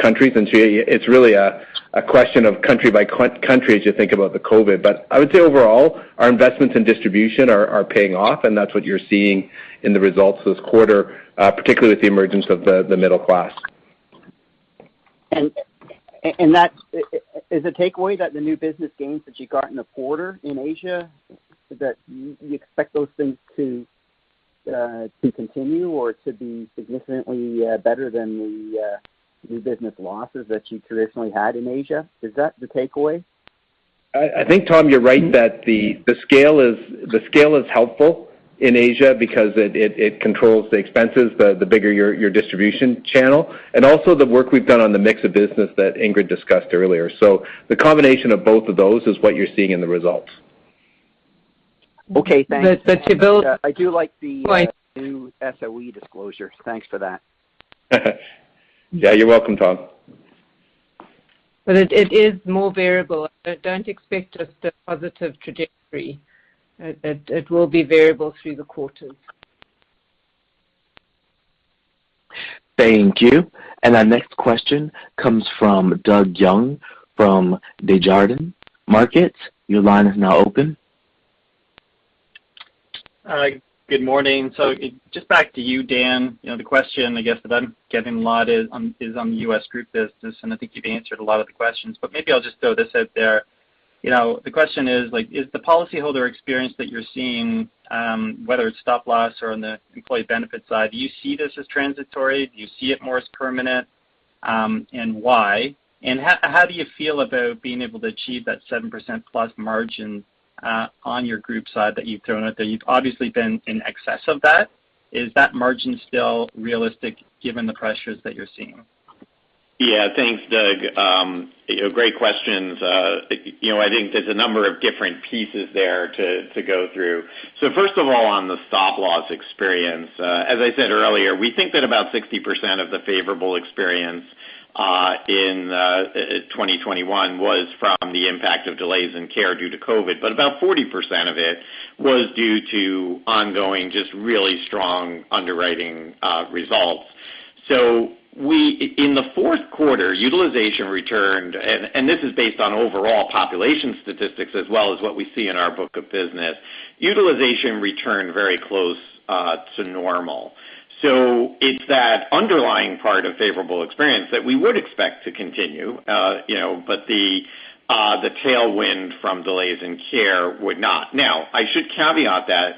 countries. It's really a question of country by country as you think about the COVID. I would say overall, our investments in distribution are paying off, and that's what you're seeing in the results this quarter, particularly with the emergence of the middle class. Is the takeaway that the new business gains that you got in the quarter in Asia, is that you expect those things to continue or to be significantly better than the new business losses that you traditionally had in Asia? Is that the takeaway? I think, Tom, you're right that the scale is helpful in Asia because it controls the expenses, the bigger your distribution channel, and also the work we've done on the mix of business that Ingrid discussed earlier. The combination of both of those is what you're seeing in the results. Okay, thanks. But, but to build- I do like the- Right New SOE disclosure. Thanks for that. Yeah, you're welcome, Tom. It is more variable. Don't expect just a positive trajectory. It will be variable through the quarters. Thank you. Our next question comes from Doug Young from Desjardins Capital Markets. Your line is now open. All right. Good morning. Just back to you, Dan. You know the question I guess that I'm getting a lot is on the U.S. group business, and I think you've answered a lot of the questions. Maybe I'll just throw this out there. You know, the question is, like, is the policyholder experience that you're seeing, whether it's stop-loss or on the employee benefit side, do you see this as transitory? Do you see it more as permanent? And why? And how do you feel about being able to achieve that 7%+ margin on your group side that you've thrown out there? You've obviously been in excess of that. Is that margin still realistic given the pressures that you're seeing? Yeah, thanks, Doug. You know, great questions. You know, I think there's a number of different pieces there to go through. First of all, on the stop-loss experience, as I said earlier, we think that about 60% of the favorable experience in 2021 was from the impact of delays in care due to COVID. About 40% of it was due to ongoing, just really strong underwriting results. In the fourth quarter, utilization returned, and this is based on overall population statistics as well as what we see in our book of business, utilization returned very close to normal. It's that underlying part of favorable experience that we would expect to continue, you know, but the tailwind from delays in care would not. Now, I should caveat that.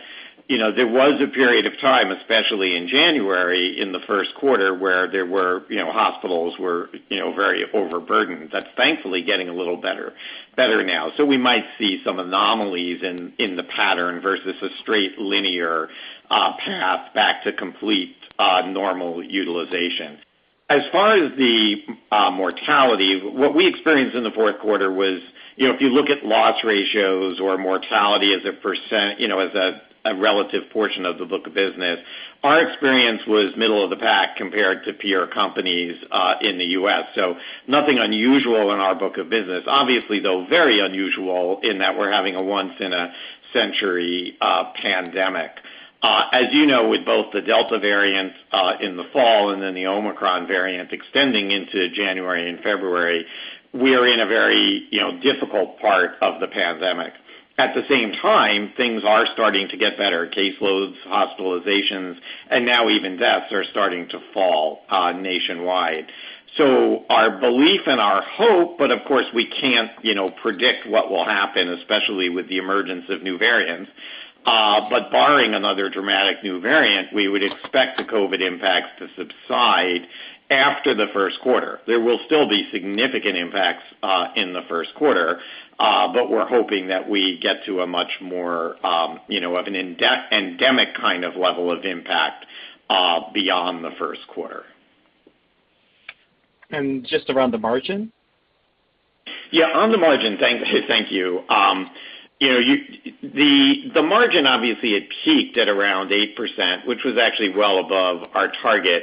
You know, there was a period of time, especially in January, in the first quarter, where there were, you know, hospitals were, you know, very overburdened. That's thankfully getting a little better now. So we might see some anomalies in the pattern versus a straight linear path back to complete normal utilization. As far as the mortality, what we experienced in the fourth quarter was, you know, if you look at loss ratios or mortality as a %, you know, as a relative portion of the book of business, our experience was middle of the pack compared to peer companies in the U.S. So nothing unusual in our book of business. Obviously, though, very unusual in that we're having a once in a century pandemic. As you know, with both the Delta variant in the fall and then the Omicron variant extending into January and February, we are in a very, you know, difficult part of the pandemic. At the same time, things are starting to get better. Caseloads, hospitalizations, and now even deaths are starting to fall nationwide. Our belief and our hope, but of course we can't, you know, predict what will happen, especially with the emergence of new variants, but barring another dramatic new variant, we would expect the COVID impacts to subside after the first quarter. There will still be significant impacts in the first quarter, but we're hoping that we get to a much more, you know, of an endemic kind of level of impact beyond the first quarter. Just around the margin? Yeah, on the margin. Thank you. The margin obviously had peaked at around 8%, which was actually well above our target.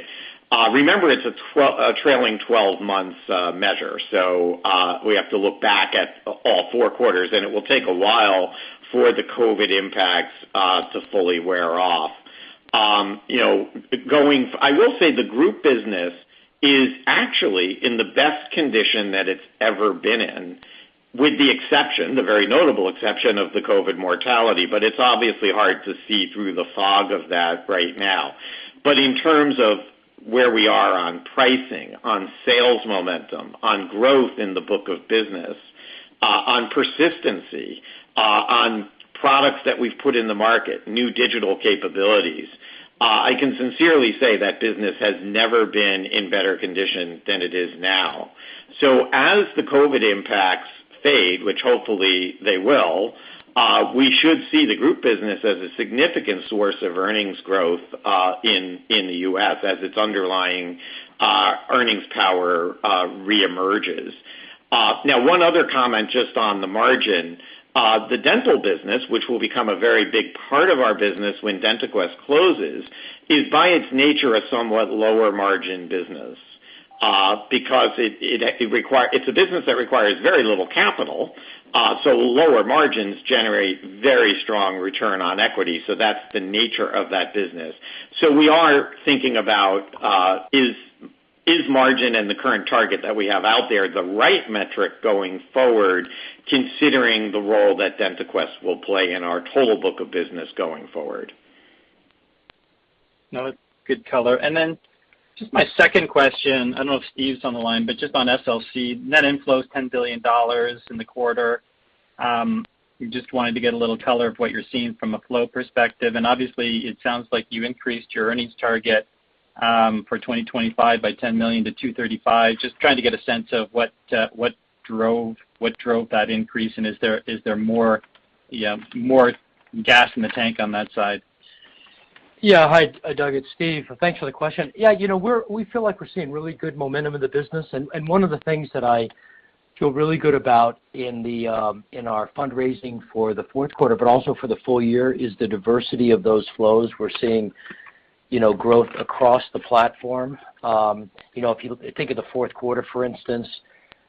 Remember, it's a trailing twelve months measure, so we have to look back at all four quarters, and it will take a while for the COVID impacts to fully wear off. I will say the group business is actually in the best condition that it's ever been in, with the exception, the very notable exception, of the COVID mortality, but it's obviously hard to see through the fog of that right now. In terms of where we are on pricing, on sales momentum, on growth in the book of business, on persistency, on products that we've put in the market, new digital capabilities, I can sincerely say that business has never been in better condition than it is now. As the COVID impacts fade, which hopefully they will, we should see the group business as a significant source of earnings growth, in the U.S. as its underlying earnings power reemerges. Now one other comment just on the margin. The dental business, which will become a very big part of our business when DentaQuest closes, is by its nature a somewhat lower margin business, because it's a business that requires very little capital, so lower margins generate very strong return on equity. That's the nature of that business. We are thinking about is margin and the current target that we have out there the right metric going forward, considering the role that DentaQuest will play in our total book of business going forward. No, good color. Just my second question, I don't know if Steve's on the line, but just on SLC, net inflows, 10 billion dollars in the quarter. We just wanted to get a little color on what you're seeing from a flow perspective. Obviously it sounds like you increased your earnings target for 2025 by 10 million to 235 million. Just trying to get a sense of what drove that increase, and is there more gas in the tank on that side? Yeah. Hi, Doug, it's Steve. Thanks for the question. Yeah, you know, we feel like we're seeing really good momentum in the business. One of the things that I feel really good about in our fundraising for the fourth quarter, but also for the full year, is the diversity of those flows. We're seeing, you know, growth across the platform. You know, if you think of the fourth quarter, for instance,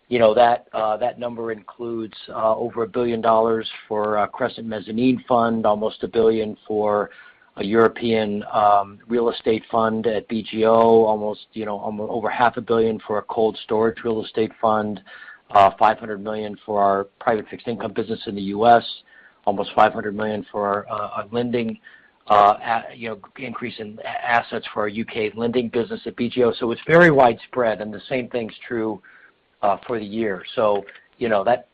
you know, that number includes over 1 billion dollars for Crescent Mezzanine Fund, almost 1 billion for a European real estate fund at BGO, over 500 million for a cold storage real estate fund, 500 million for our private fixed income business in the U.S., almost 500 million for our lending, increase in assets for our U.K. lending business at BGO. It's very widespread, and the same thing's true for the year.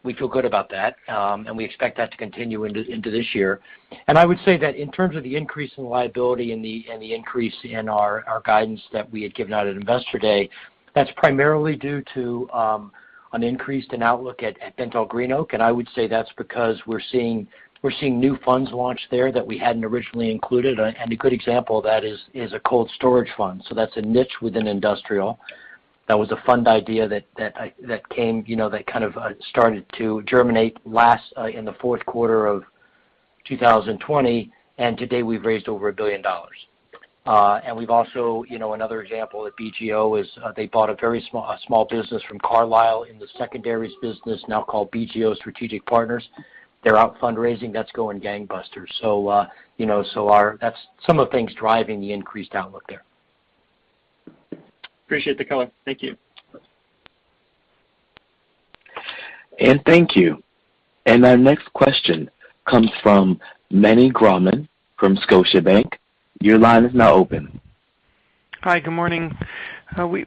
We feel good about that, and we expect that to continue into this year. I would say that in terms of the increase in liability and the increase in our guidance that we had given out at Investor Day, that's primarily due to an increase in outlook at BentallGreenOak, and I would say that's because we're seeing new funds launch there that we hadn't originally included. A good example of that is a cold storage fund. That's a niche within industrial. That was a fund idea that came, you know, that kind of started to germinate last in the fourth quarter of 2020, and today we've raised over $1 billion. We've also, you know, another example at BGO is they bought a small business from Carlyle in the secondaries business now called BGO Strategic Capital Partners. They're out fundraising. That's going gangbusters. You know, that's some of the things driving the increased outlook there. Appreciate the color. Thank you. Thank you. Our next question comes from Meny Grauman from Scotiabank. Your line is now open. Hi, good morning.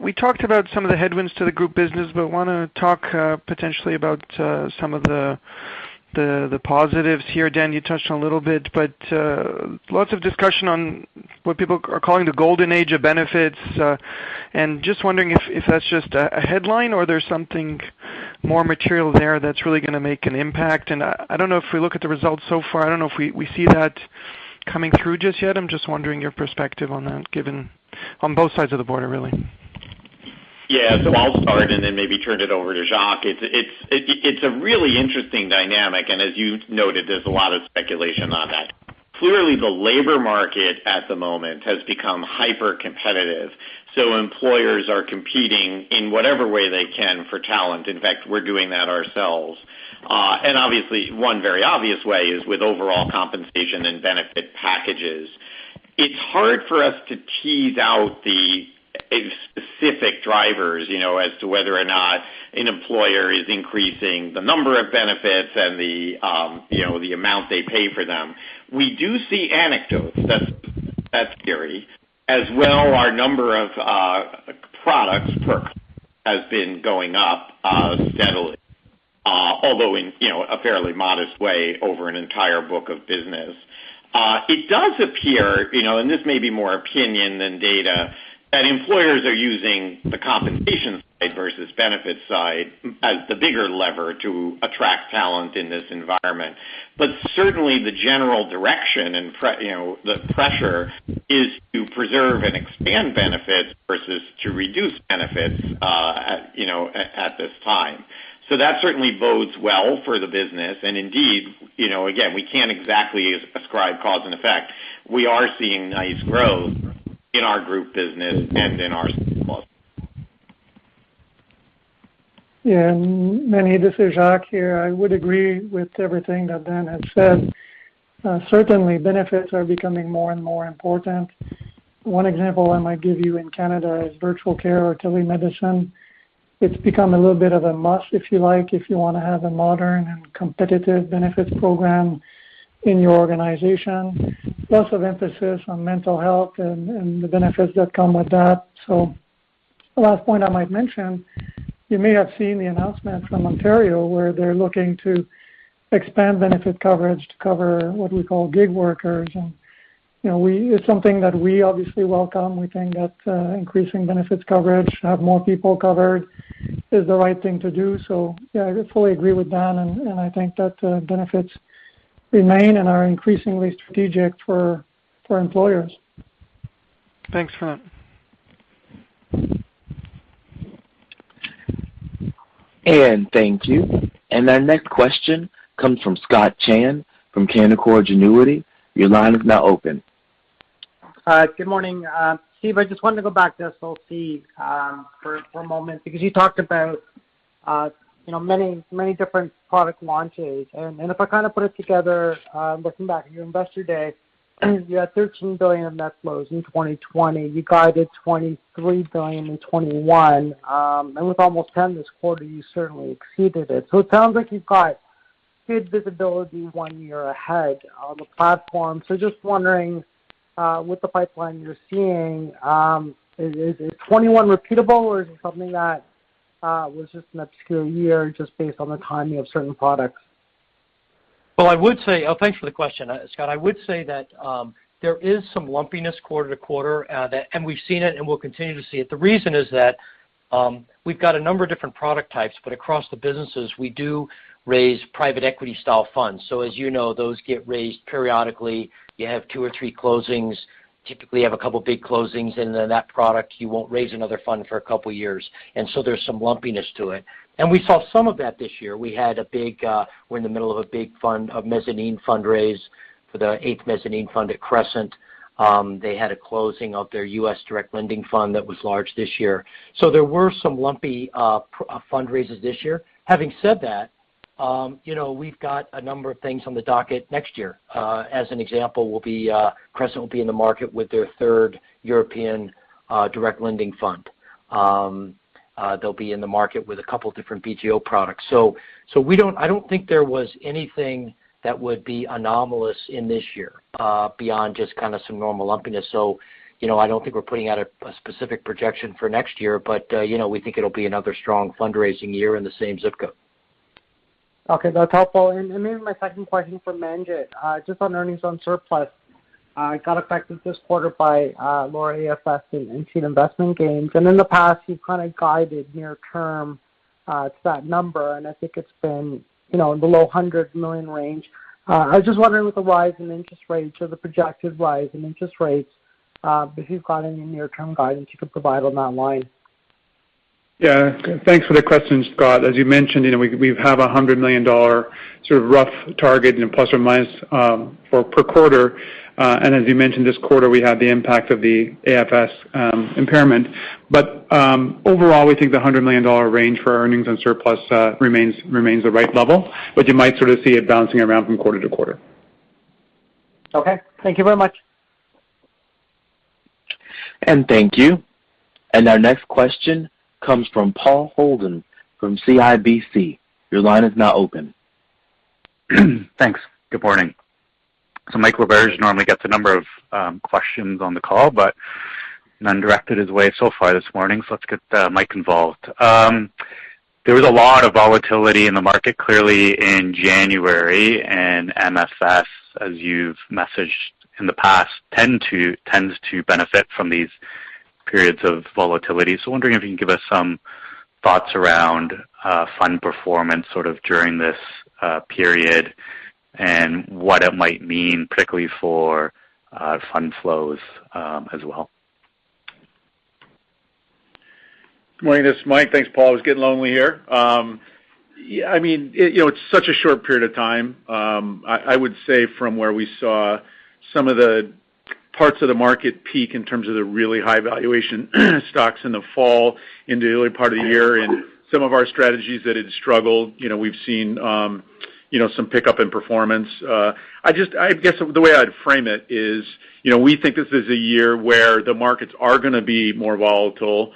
We talked about some of the headwinds to the group business, but wanna talk potentially about some of the positives here. Dan, you touched on a little bit, but lots of discussion on what people are calling the golden age of benefits. Just wondering if that's just a headline or there's something more material there that's really gonna make an impact. I don't know if we look at the results so far, I don't know if we see that coming through just yet. I'm just wondering your perspective on that, given, on both sides of the border really. Yeah. I'll start and then maybe turn it over to Jacques. It's a really interesting dynamic. As you noted, there's a lot of speculation on that. Clearly, the labor market at the moment has become hypercompetitive, so employers are competing in whatever way they can for talent. In fact, we're doing that ourselves. And obviously, one very obvious way is with overall compensation and benefit packages. It's hard for us to tease out the specific drivers, you know, as to whether or not an employer is increasing the number of benefits and the, you know, the amount they pay for them. We do see anecdotes that vary, as well our number of products per has been going up steadily, although in, you know, a fairly modest way over an entire book of business. It does appear, you know, and this may be more opinion than data, that employers are using the compensation side versus benefit side as the bigger lever to attract talent in this environment. Certainly the general direction, you know, the pressure is to preserve and expand benefits versus to reduce benefits, you know, at this time. That certainly bodes well for the business. Indeed, you know, again, we can't exactly ascribe cause and effect. We are seeing nice growth in our group business and in our Yeah. Meny, this is Jacques here. I would agree with everything that Dan has said. Certainly benefits are becoming more and more important. One example I might give you in Canada is virtual care or telemedicine. It's become a little bit of a must if you like, if you wanna have a modern and competitive benefits program in your organization. Lots of emphasis on mental health and the benefits that come with that. The last point I might mention, you may have seen the announcement from Ontario, where they're looking to expand benefit coverage to cover what we call gig workers. You know, it's something that we obviously welcome. We think that increasing benefits coverage, have more people covered is the right thing to do. Yeah, I fully agree with Dan, and I think that benefits remain and are increasingly strategic for employers. Thanks for that. Thank you. Our next question comes from Scott Chan from Canaccord Genuity. Your line is now open. Good morning. Steve, I just wanted to go back to SLC for a moment because you talked about, you know, many different product launches. If I kind of put it together, looking back at your Investor Day, you had 13 billion of net flows in 2020. You guided 23 billion in 2021. With almost 10 billion this quarter, you certainly exceeded it. It sounds like you've got good visibility one year ahead on the platform. Just wondering, with the pipeline you're seeing, is 2021 repeatable or is it something that was just an obscure year just based on the timing of certain products? Oh, thanks for the question, Scott. I would say that there is some lumpiness quarter to quarter. We've seen it and we'll continue to see it. The reason is that we've got a number of different product types, but across the businesses, we do raise private equity style funds. So as you know, those get raised periodically. You have two or three closings. Typically, you have a couple big closings, and then that product, you won't raise another fund for a couple years. There's some lumpiness to it. We saw some of that this year. We had a big, we're in the middle of a big fund, a mezzanine fundraise for the eighth mezzanine fund at Crescent. They had a closing of their U.S. direct lending fund that was large this year. There were some lumpy fundraises this year. Having said that, you know, we've got a number of things on the docket next year. As an example, Crescent will be in the market with their third European direct lending fund. They'll be in the market with a couple different BGO products. I don't think there was anything that would be anomalous in this year, beyond just kinda some normal lumpiness. You know, I don't think we're putting out a specific projection for next year, but you know, we think it'll be another strong fundraising year in the same zip code. Okay. That's helpful. My second question for Manjit, just on earnings on surplus got affected this quarter by lower AFS and unrealized investment gains. In the past, you've kind of guided near-term to that number, and I think it's been in the low 100 million range. I was just wondering with the rise in interest rates or the projected rise in interest rates, if you've got any near-term guidance you could provide on that line. Yeah. Thanks for the question, Scott. As you mentioned, you know, we have 100 million dollar sort of rough target and ± per quarter. As you mentioned this quarter, we had the impact of the AFS impairment. Overall, we think the 100 million dollar range for our earnings and surplus remains the right level, but you might sort of see it bouncing around from quarter to quarter. Okay. Thank you very much. Thank you. Our next question comes from Paul Holden from CIBC. Your line is now open. Thanks. Good morning. Mike Roberge normally gets a number of questions on the call, but none directed his way so far this morning. Let's get Mike involved. There was a lot of volatility in the market, clearly in January. MFS, as you've messaged in the past, tends to benefit from these periods of volatility. Wondering if you can give us some thoughts around fund performance, sort of during this period, and what it might mean particularly for fund flows as well. Morning. This is Mike. Thanks, Paul. It was getting lonely here. Yeah, I mean, you know, it's such a short period of time. I would say from where we saw some of the parts of the market peak in terms of the really high valuation stocks in the fall into the early part of the year, and some of our strategies that had struggled, you know, we've seen some pickup in performance. I guess the way I'd frame it is, you know, we think this is a year where the markets are gonna be more volatile.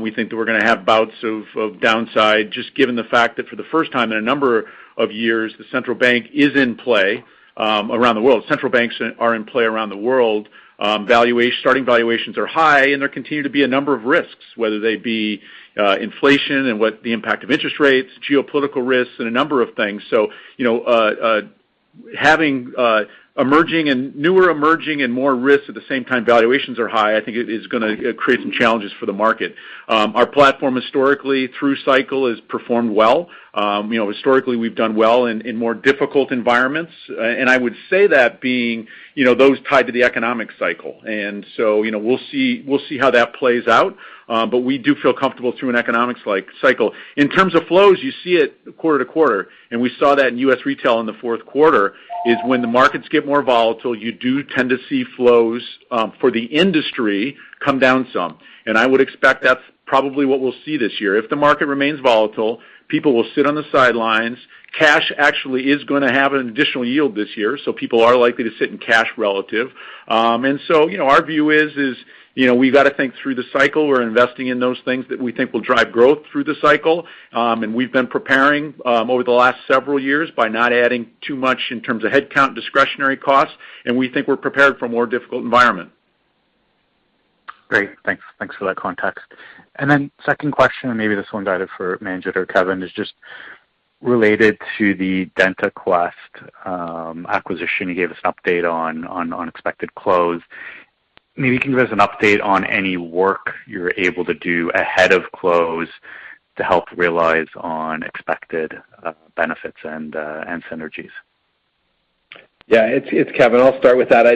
We think that we're gonna have bouts of downside, just given the fact that for the first time in a number of years, the central bank is in play around the world. Central banks are in play around the world. Starting valuations are high, and there continue to be a number of risks, whether they be inflation and what the impact of interest rates, geopolitical risks and a number of things. You know, having emerging and more risks at the same time valuations are high, I think it is gonna create some challenges for the market. Our platform historically through cycle has performed well. You know, historically, we've done well in more difficult environments. I would say that being, you know, those tied to the economic cycle. You know, we'll see, we'll see how that plays out. We do feel comfortable through an economic cycle. In terms of flows, you see it quarter to quarter, and we saw that in U.S. retail. In the fourth quarter, when the markets get more volatile, you do tend to see flows for the industry come down some. I would expect that's probably what we'll see this year. If the market remains volatile, people will sit on the sidelines. Cash actually is gonna have an additional yield this year, so people are likely to sit in cash relative. You know, our view is, you know, we've got to think through the cycle. We're investing in those things that we think will drive growth through the cycle. We've been preparing over the last several years by not adding too much in terms of headcount, discretionary costs, and we think we're prepared for a more difficult environment. Great. Thanks. Thanks for that context. Then second question, maybe this one geared for Manjit or Kevin, is just related to the DentaQuest acquisition. You gave us an update on expected close. Maybe you can give us an update on any work you're able to do ahead of close to help realize expected benefits and synergies. Yeah, it's Kevin. I'll start with that.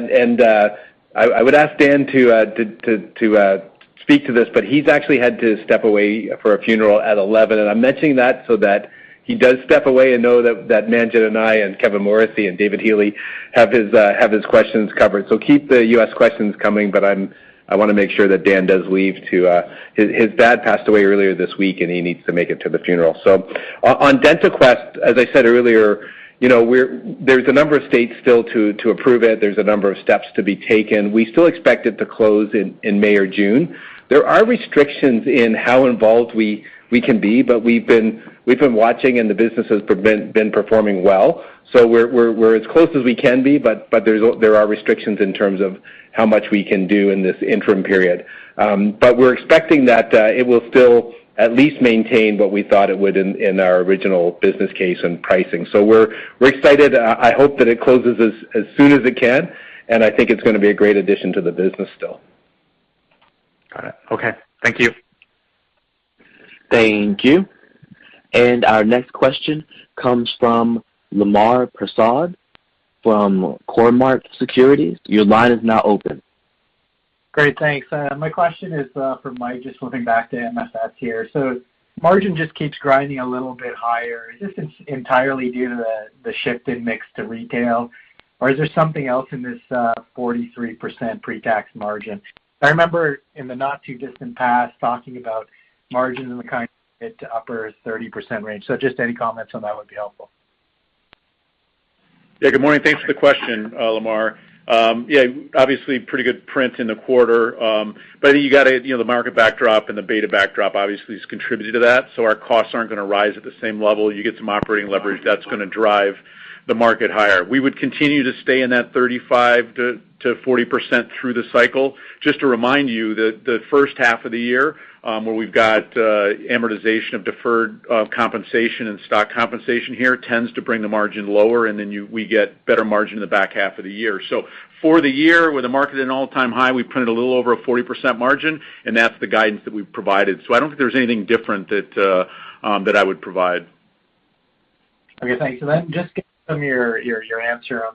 I would ask Dan to speak to this, but he's actually had to step away for a funeral at eleven. I'm mentioning that so that he does step away and know that Manjit and I and Kevin Morrissey and David Healy have his questions covered. Keep the U.S. questions coming, but I want to make sure that Dan does leave to his dad passed away earlier this week, and he needs to make it to the funeral. On DentaQuest, as I said earlier, you know, there's a number of states still to approve it. There's a number of steps to be taken. We still expect it to close in May or June. There are restrictions in how involved we can be, but we've been watching, and the business has been performing well. We're as close as we can be, but there are restrictions in terms of how much we can do in this interim period. We're expecting that it will still at least maintain what we thought it would in our original business case and pricing. We're excited. I hope that it closes as soon as it can, and I think it's gonna be a great addition to the business still. Got it. Okay. Thank you. Thank you. Our next question comes from Lemar Persaud from Cormark Securities. Your line is now open. Great. Thanks. My question is for Mike, just flipping back to MFS here. Margin just keeps grinding a little bit higher. Is this entirely due to the shift in mix to retail, or is there something else in this 43% pretax margin? I remember in the not too distant past talking about margins in the kind of mid- to upper-30% range. Any comments on that would be helpful. Yeah. Good morning. Thanks for the question, Lemar. Yeah, obviously pretty good print in the quarter. But you know, the market backdrop and the beta backdrop obviously has contributed to that. Our costs aren't gonna rise at the same level. You get some operating leverage that's gonna drive the market higher. We would continue to stay in that 35%-40% through the cycle. Just to remind you that the first half of the year, where we've got amortization of deferred compensation and stock compensation here tends to bring the margin lower, and then we get better margin in the back half of the year. For the year, with the market at an all-time high, we printed a little over a 40% margin, and that's the guidance that we've provided. I don't think there's anything different that I would provide. Okay, thanks. Just from your answer on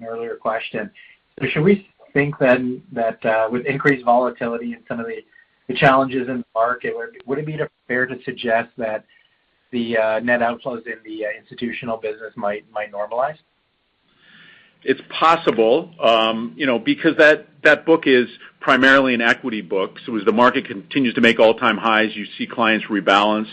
an earlier question. Should we think then that, with increased volatility and some of the challenges in the market, would it be fair to suggest that the net outflows in the institutional business might normalize? It's possible. You know, because that book is primarily an equity book. As the market continues to make all-time highs, you see clients rebalance.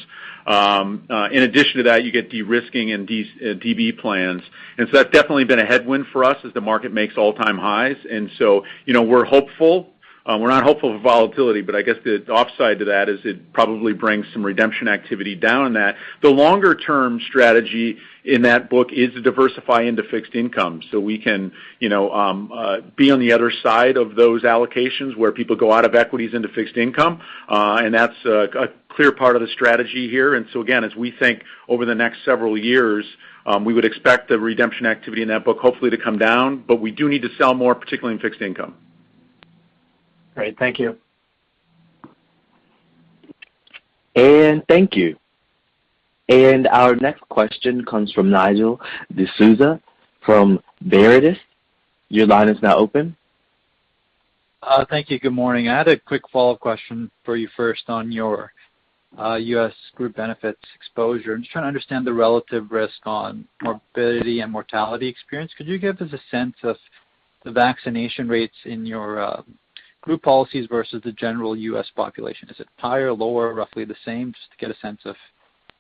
In addition to that, you get de-risking and DB plans. That's definitely been a headwind for us as the market makes all-time highs. You know, we're hopeful. We're not hopeful for volatility, but I guess the upside to that is it probably brings some redemption activity down on that. The longer-term strategy in that book is to diversify into fixed income so we can, you know, be on the other side of those allocations where people go out of equities into fixed income. And that's a clear part of the strategy here. Again, as we think over the next several years, we would expect the redemption activity in that book hopefully to come down, but we do need to sell more, particularly in fixed income. Great. Thank you. Thank you. Our next question comes from Nigel D'Souza from Veritas. Your line is now open. Thank you. Good morning. I had a quick follow-up question for you first on your U.S. Group Benefits exposure. I'm just trying to understand the relative risk on morbidity and mortality experience. Could you give us a sense of the vaccination rates in your group policies versus the general U.S. population? Is it higher, lower, roughly the same? Just to get a sense of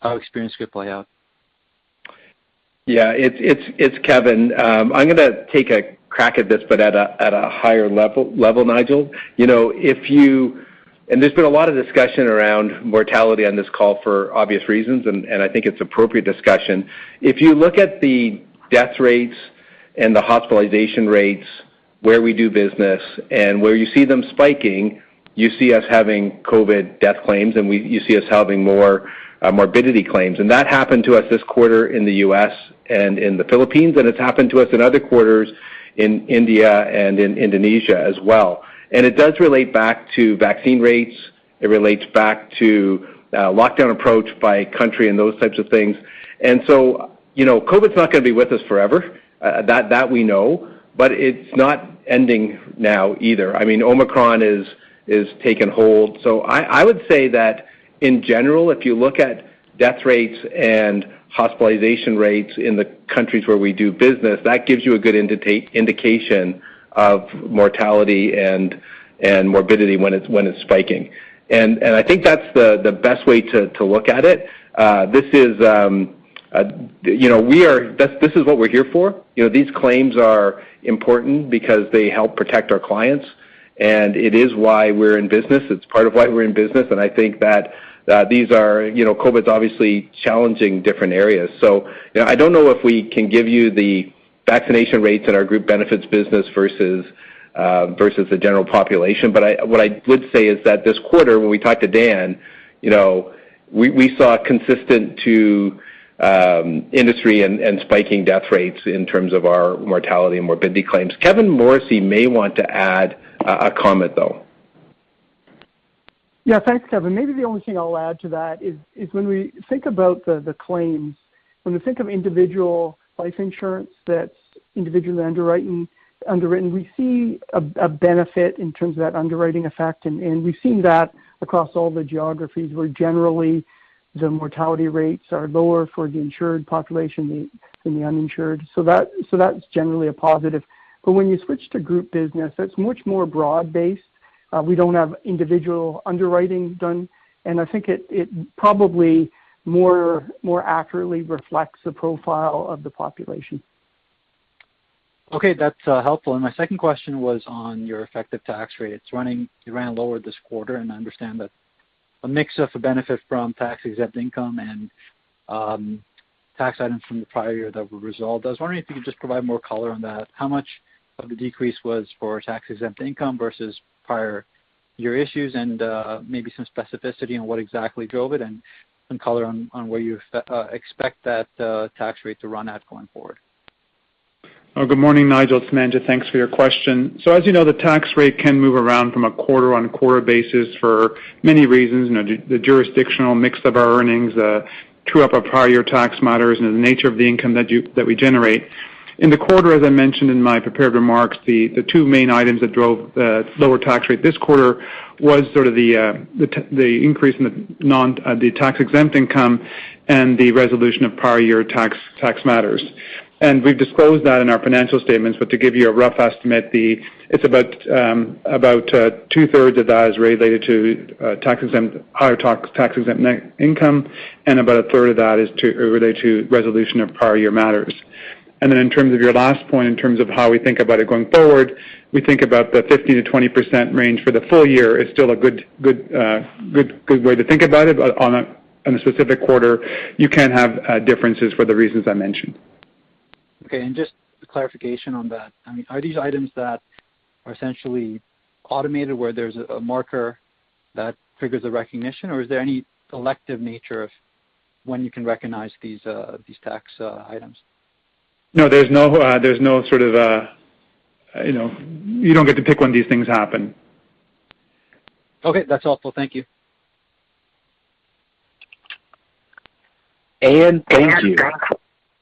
how experience could play out. Yeah. It's Kevin. I'm gonna take a crack at this, but at a higher level, Nigel. You know, if you look at the death rates and the hospitalization rates where we do business and where you see them spiking, you see us having COVID death claims, and you see us having more morbidity claims. That happened to us this quarter in the U.S. and in the Philippines, and it's happened to us in other quarters in India and in Indonesia as well. It does relate back to vaccine rates. It relates back to lockdown approach by country and those types of things. You know, COVID's not gonna be with us forever. That we know. It's not ending now either. I mean, Omicron is taking hold. I would say that in general, if you look at death rates and hospitalization rates in the countries where we do business, that gives you a good indication of mortality and morbidity when it's spiking. I think that's the best way to look at it. This is what we're here for. You know, these claims are important because they help protect our clients, and it is why we're in business. It's part of why we're in business, and I think that these are. You know, COVID's obviously challenging different areas. I don't know if we can give you the vaccination rates in our Group Benefits business versus the general population. But what I would say is that this quarter, when we talked to Dan Fishbein, you know, we saw consistent with industry and spiking death rates in terms of our mortality and morbidity claims. Kevin Morrissey may want to add a comment, though. Yeah. Thanks, Kevin. Maybe the only thing I'll add to that is when we think about the claims, when we think of individual life insurance that's individually underwritten, we see a benefit in terms of that underwriting effect. We've seen that across all the geographies where generally the mortality rates are lower for the insured population than the uninsured. That's generally a positive. But when you switch to group business, that's much more broad-based. We don't have individual underwriting done, and I think it probably more accurately reflects the profile of the population. Okay. That's helpful. My second question was on your effective tax rate. It ran lower this quarter, and I understand that a mix of a benefit from tax-exempt income and tax items from the prior year that were resolved. I was wondering if you could just provide more color on that. How much of the decrease was for tax-exempt income versus prior year issues, and maybe some specificity on what exactly drove it and some color on where you expect that tax rate to run at going forward. Good morning, Nigel. It's Manjit Singh. Thanks for your question. As you know, the tax rate can move around from a quarter-on-quarter basis for many reasons. You know, the jurisdictional mix of our earnings, true up of prior year tax matters and the nature of the income that we generate. In the quarter, as I mentioned in my prepared remarks, the two main items that drove the lower tax rate this quarter was sort of the increase in the tax-exempt income and the resolution of prior year tax matters. We've disclosed that in our financial statements. To give you a rough estimate, the... It's about two-thirds of that is related to higher tax-exempt net income, and about a third of that is related to resolution of prior year matters. In terms of your last point, in terms of how we think about it going forward, we think about the 50%-20% range for the full year is still a good way to think about it. On a specific quarter, you can have differences for the reasons I mentioned. Okay. Just a clarification on that. I mean, are these items that are essentially automated where there's a marker that triggers a recognition, or is there any elective nature of when you can recognize these tax items? No, there's no sort of, you know. You don't get to pick when these things happen. Okay. That's helpful. Thank you. Thank you.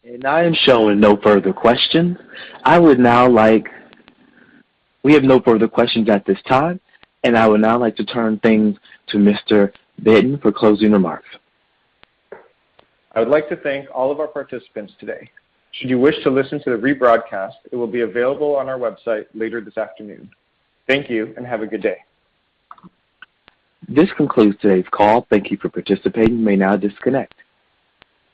We have no further questions at this time, and I would now like to turn things to Mr. Bitton for closing remarks. I would like to thank all of our participants today. Should you wish to listen to the rebroadcast, it will be available on our website later this afternoon. Thank you, and have a good day. This concludes today's call. Thank you for participating. You may now disconnect.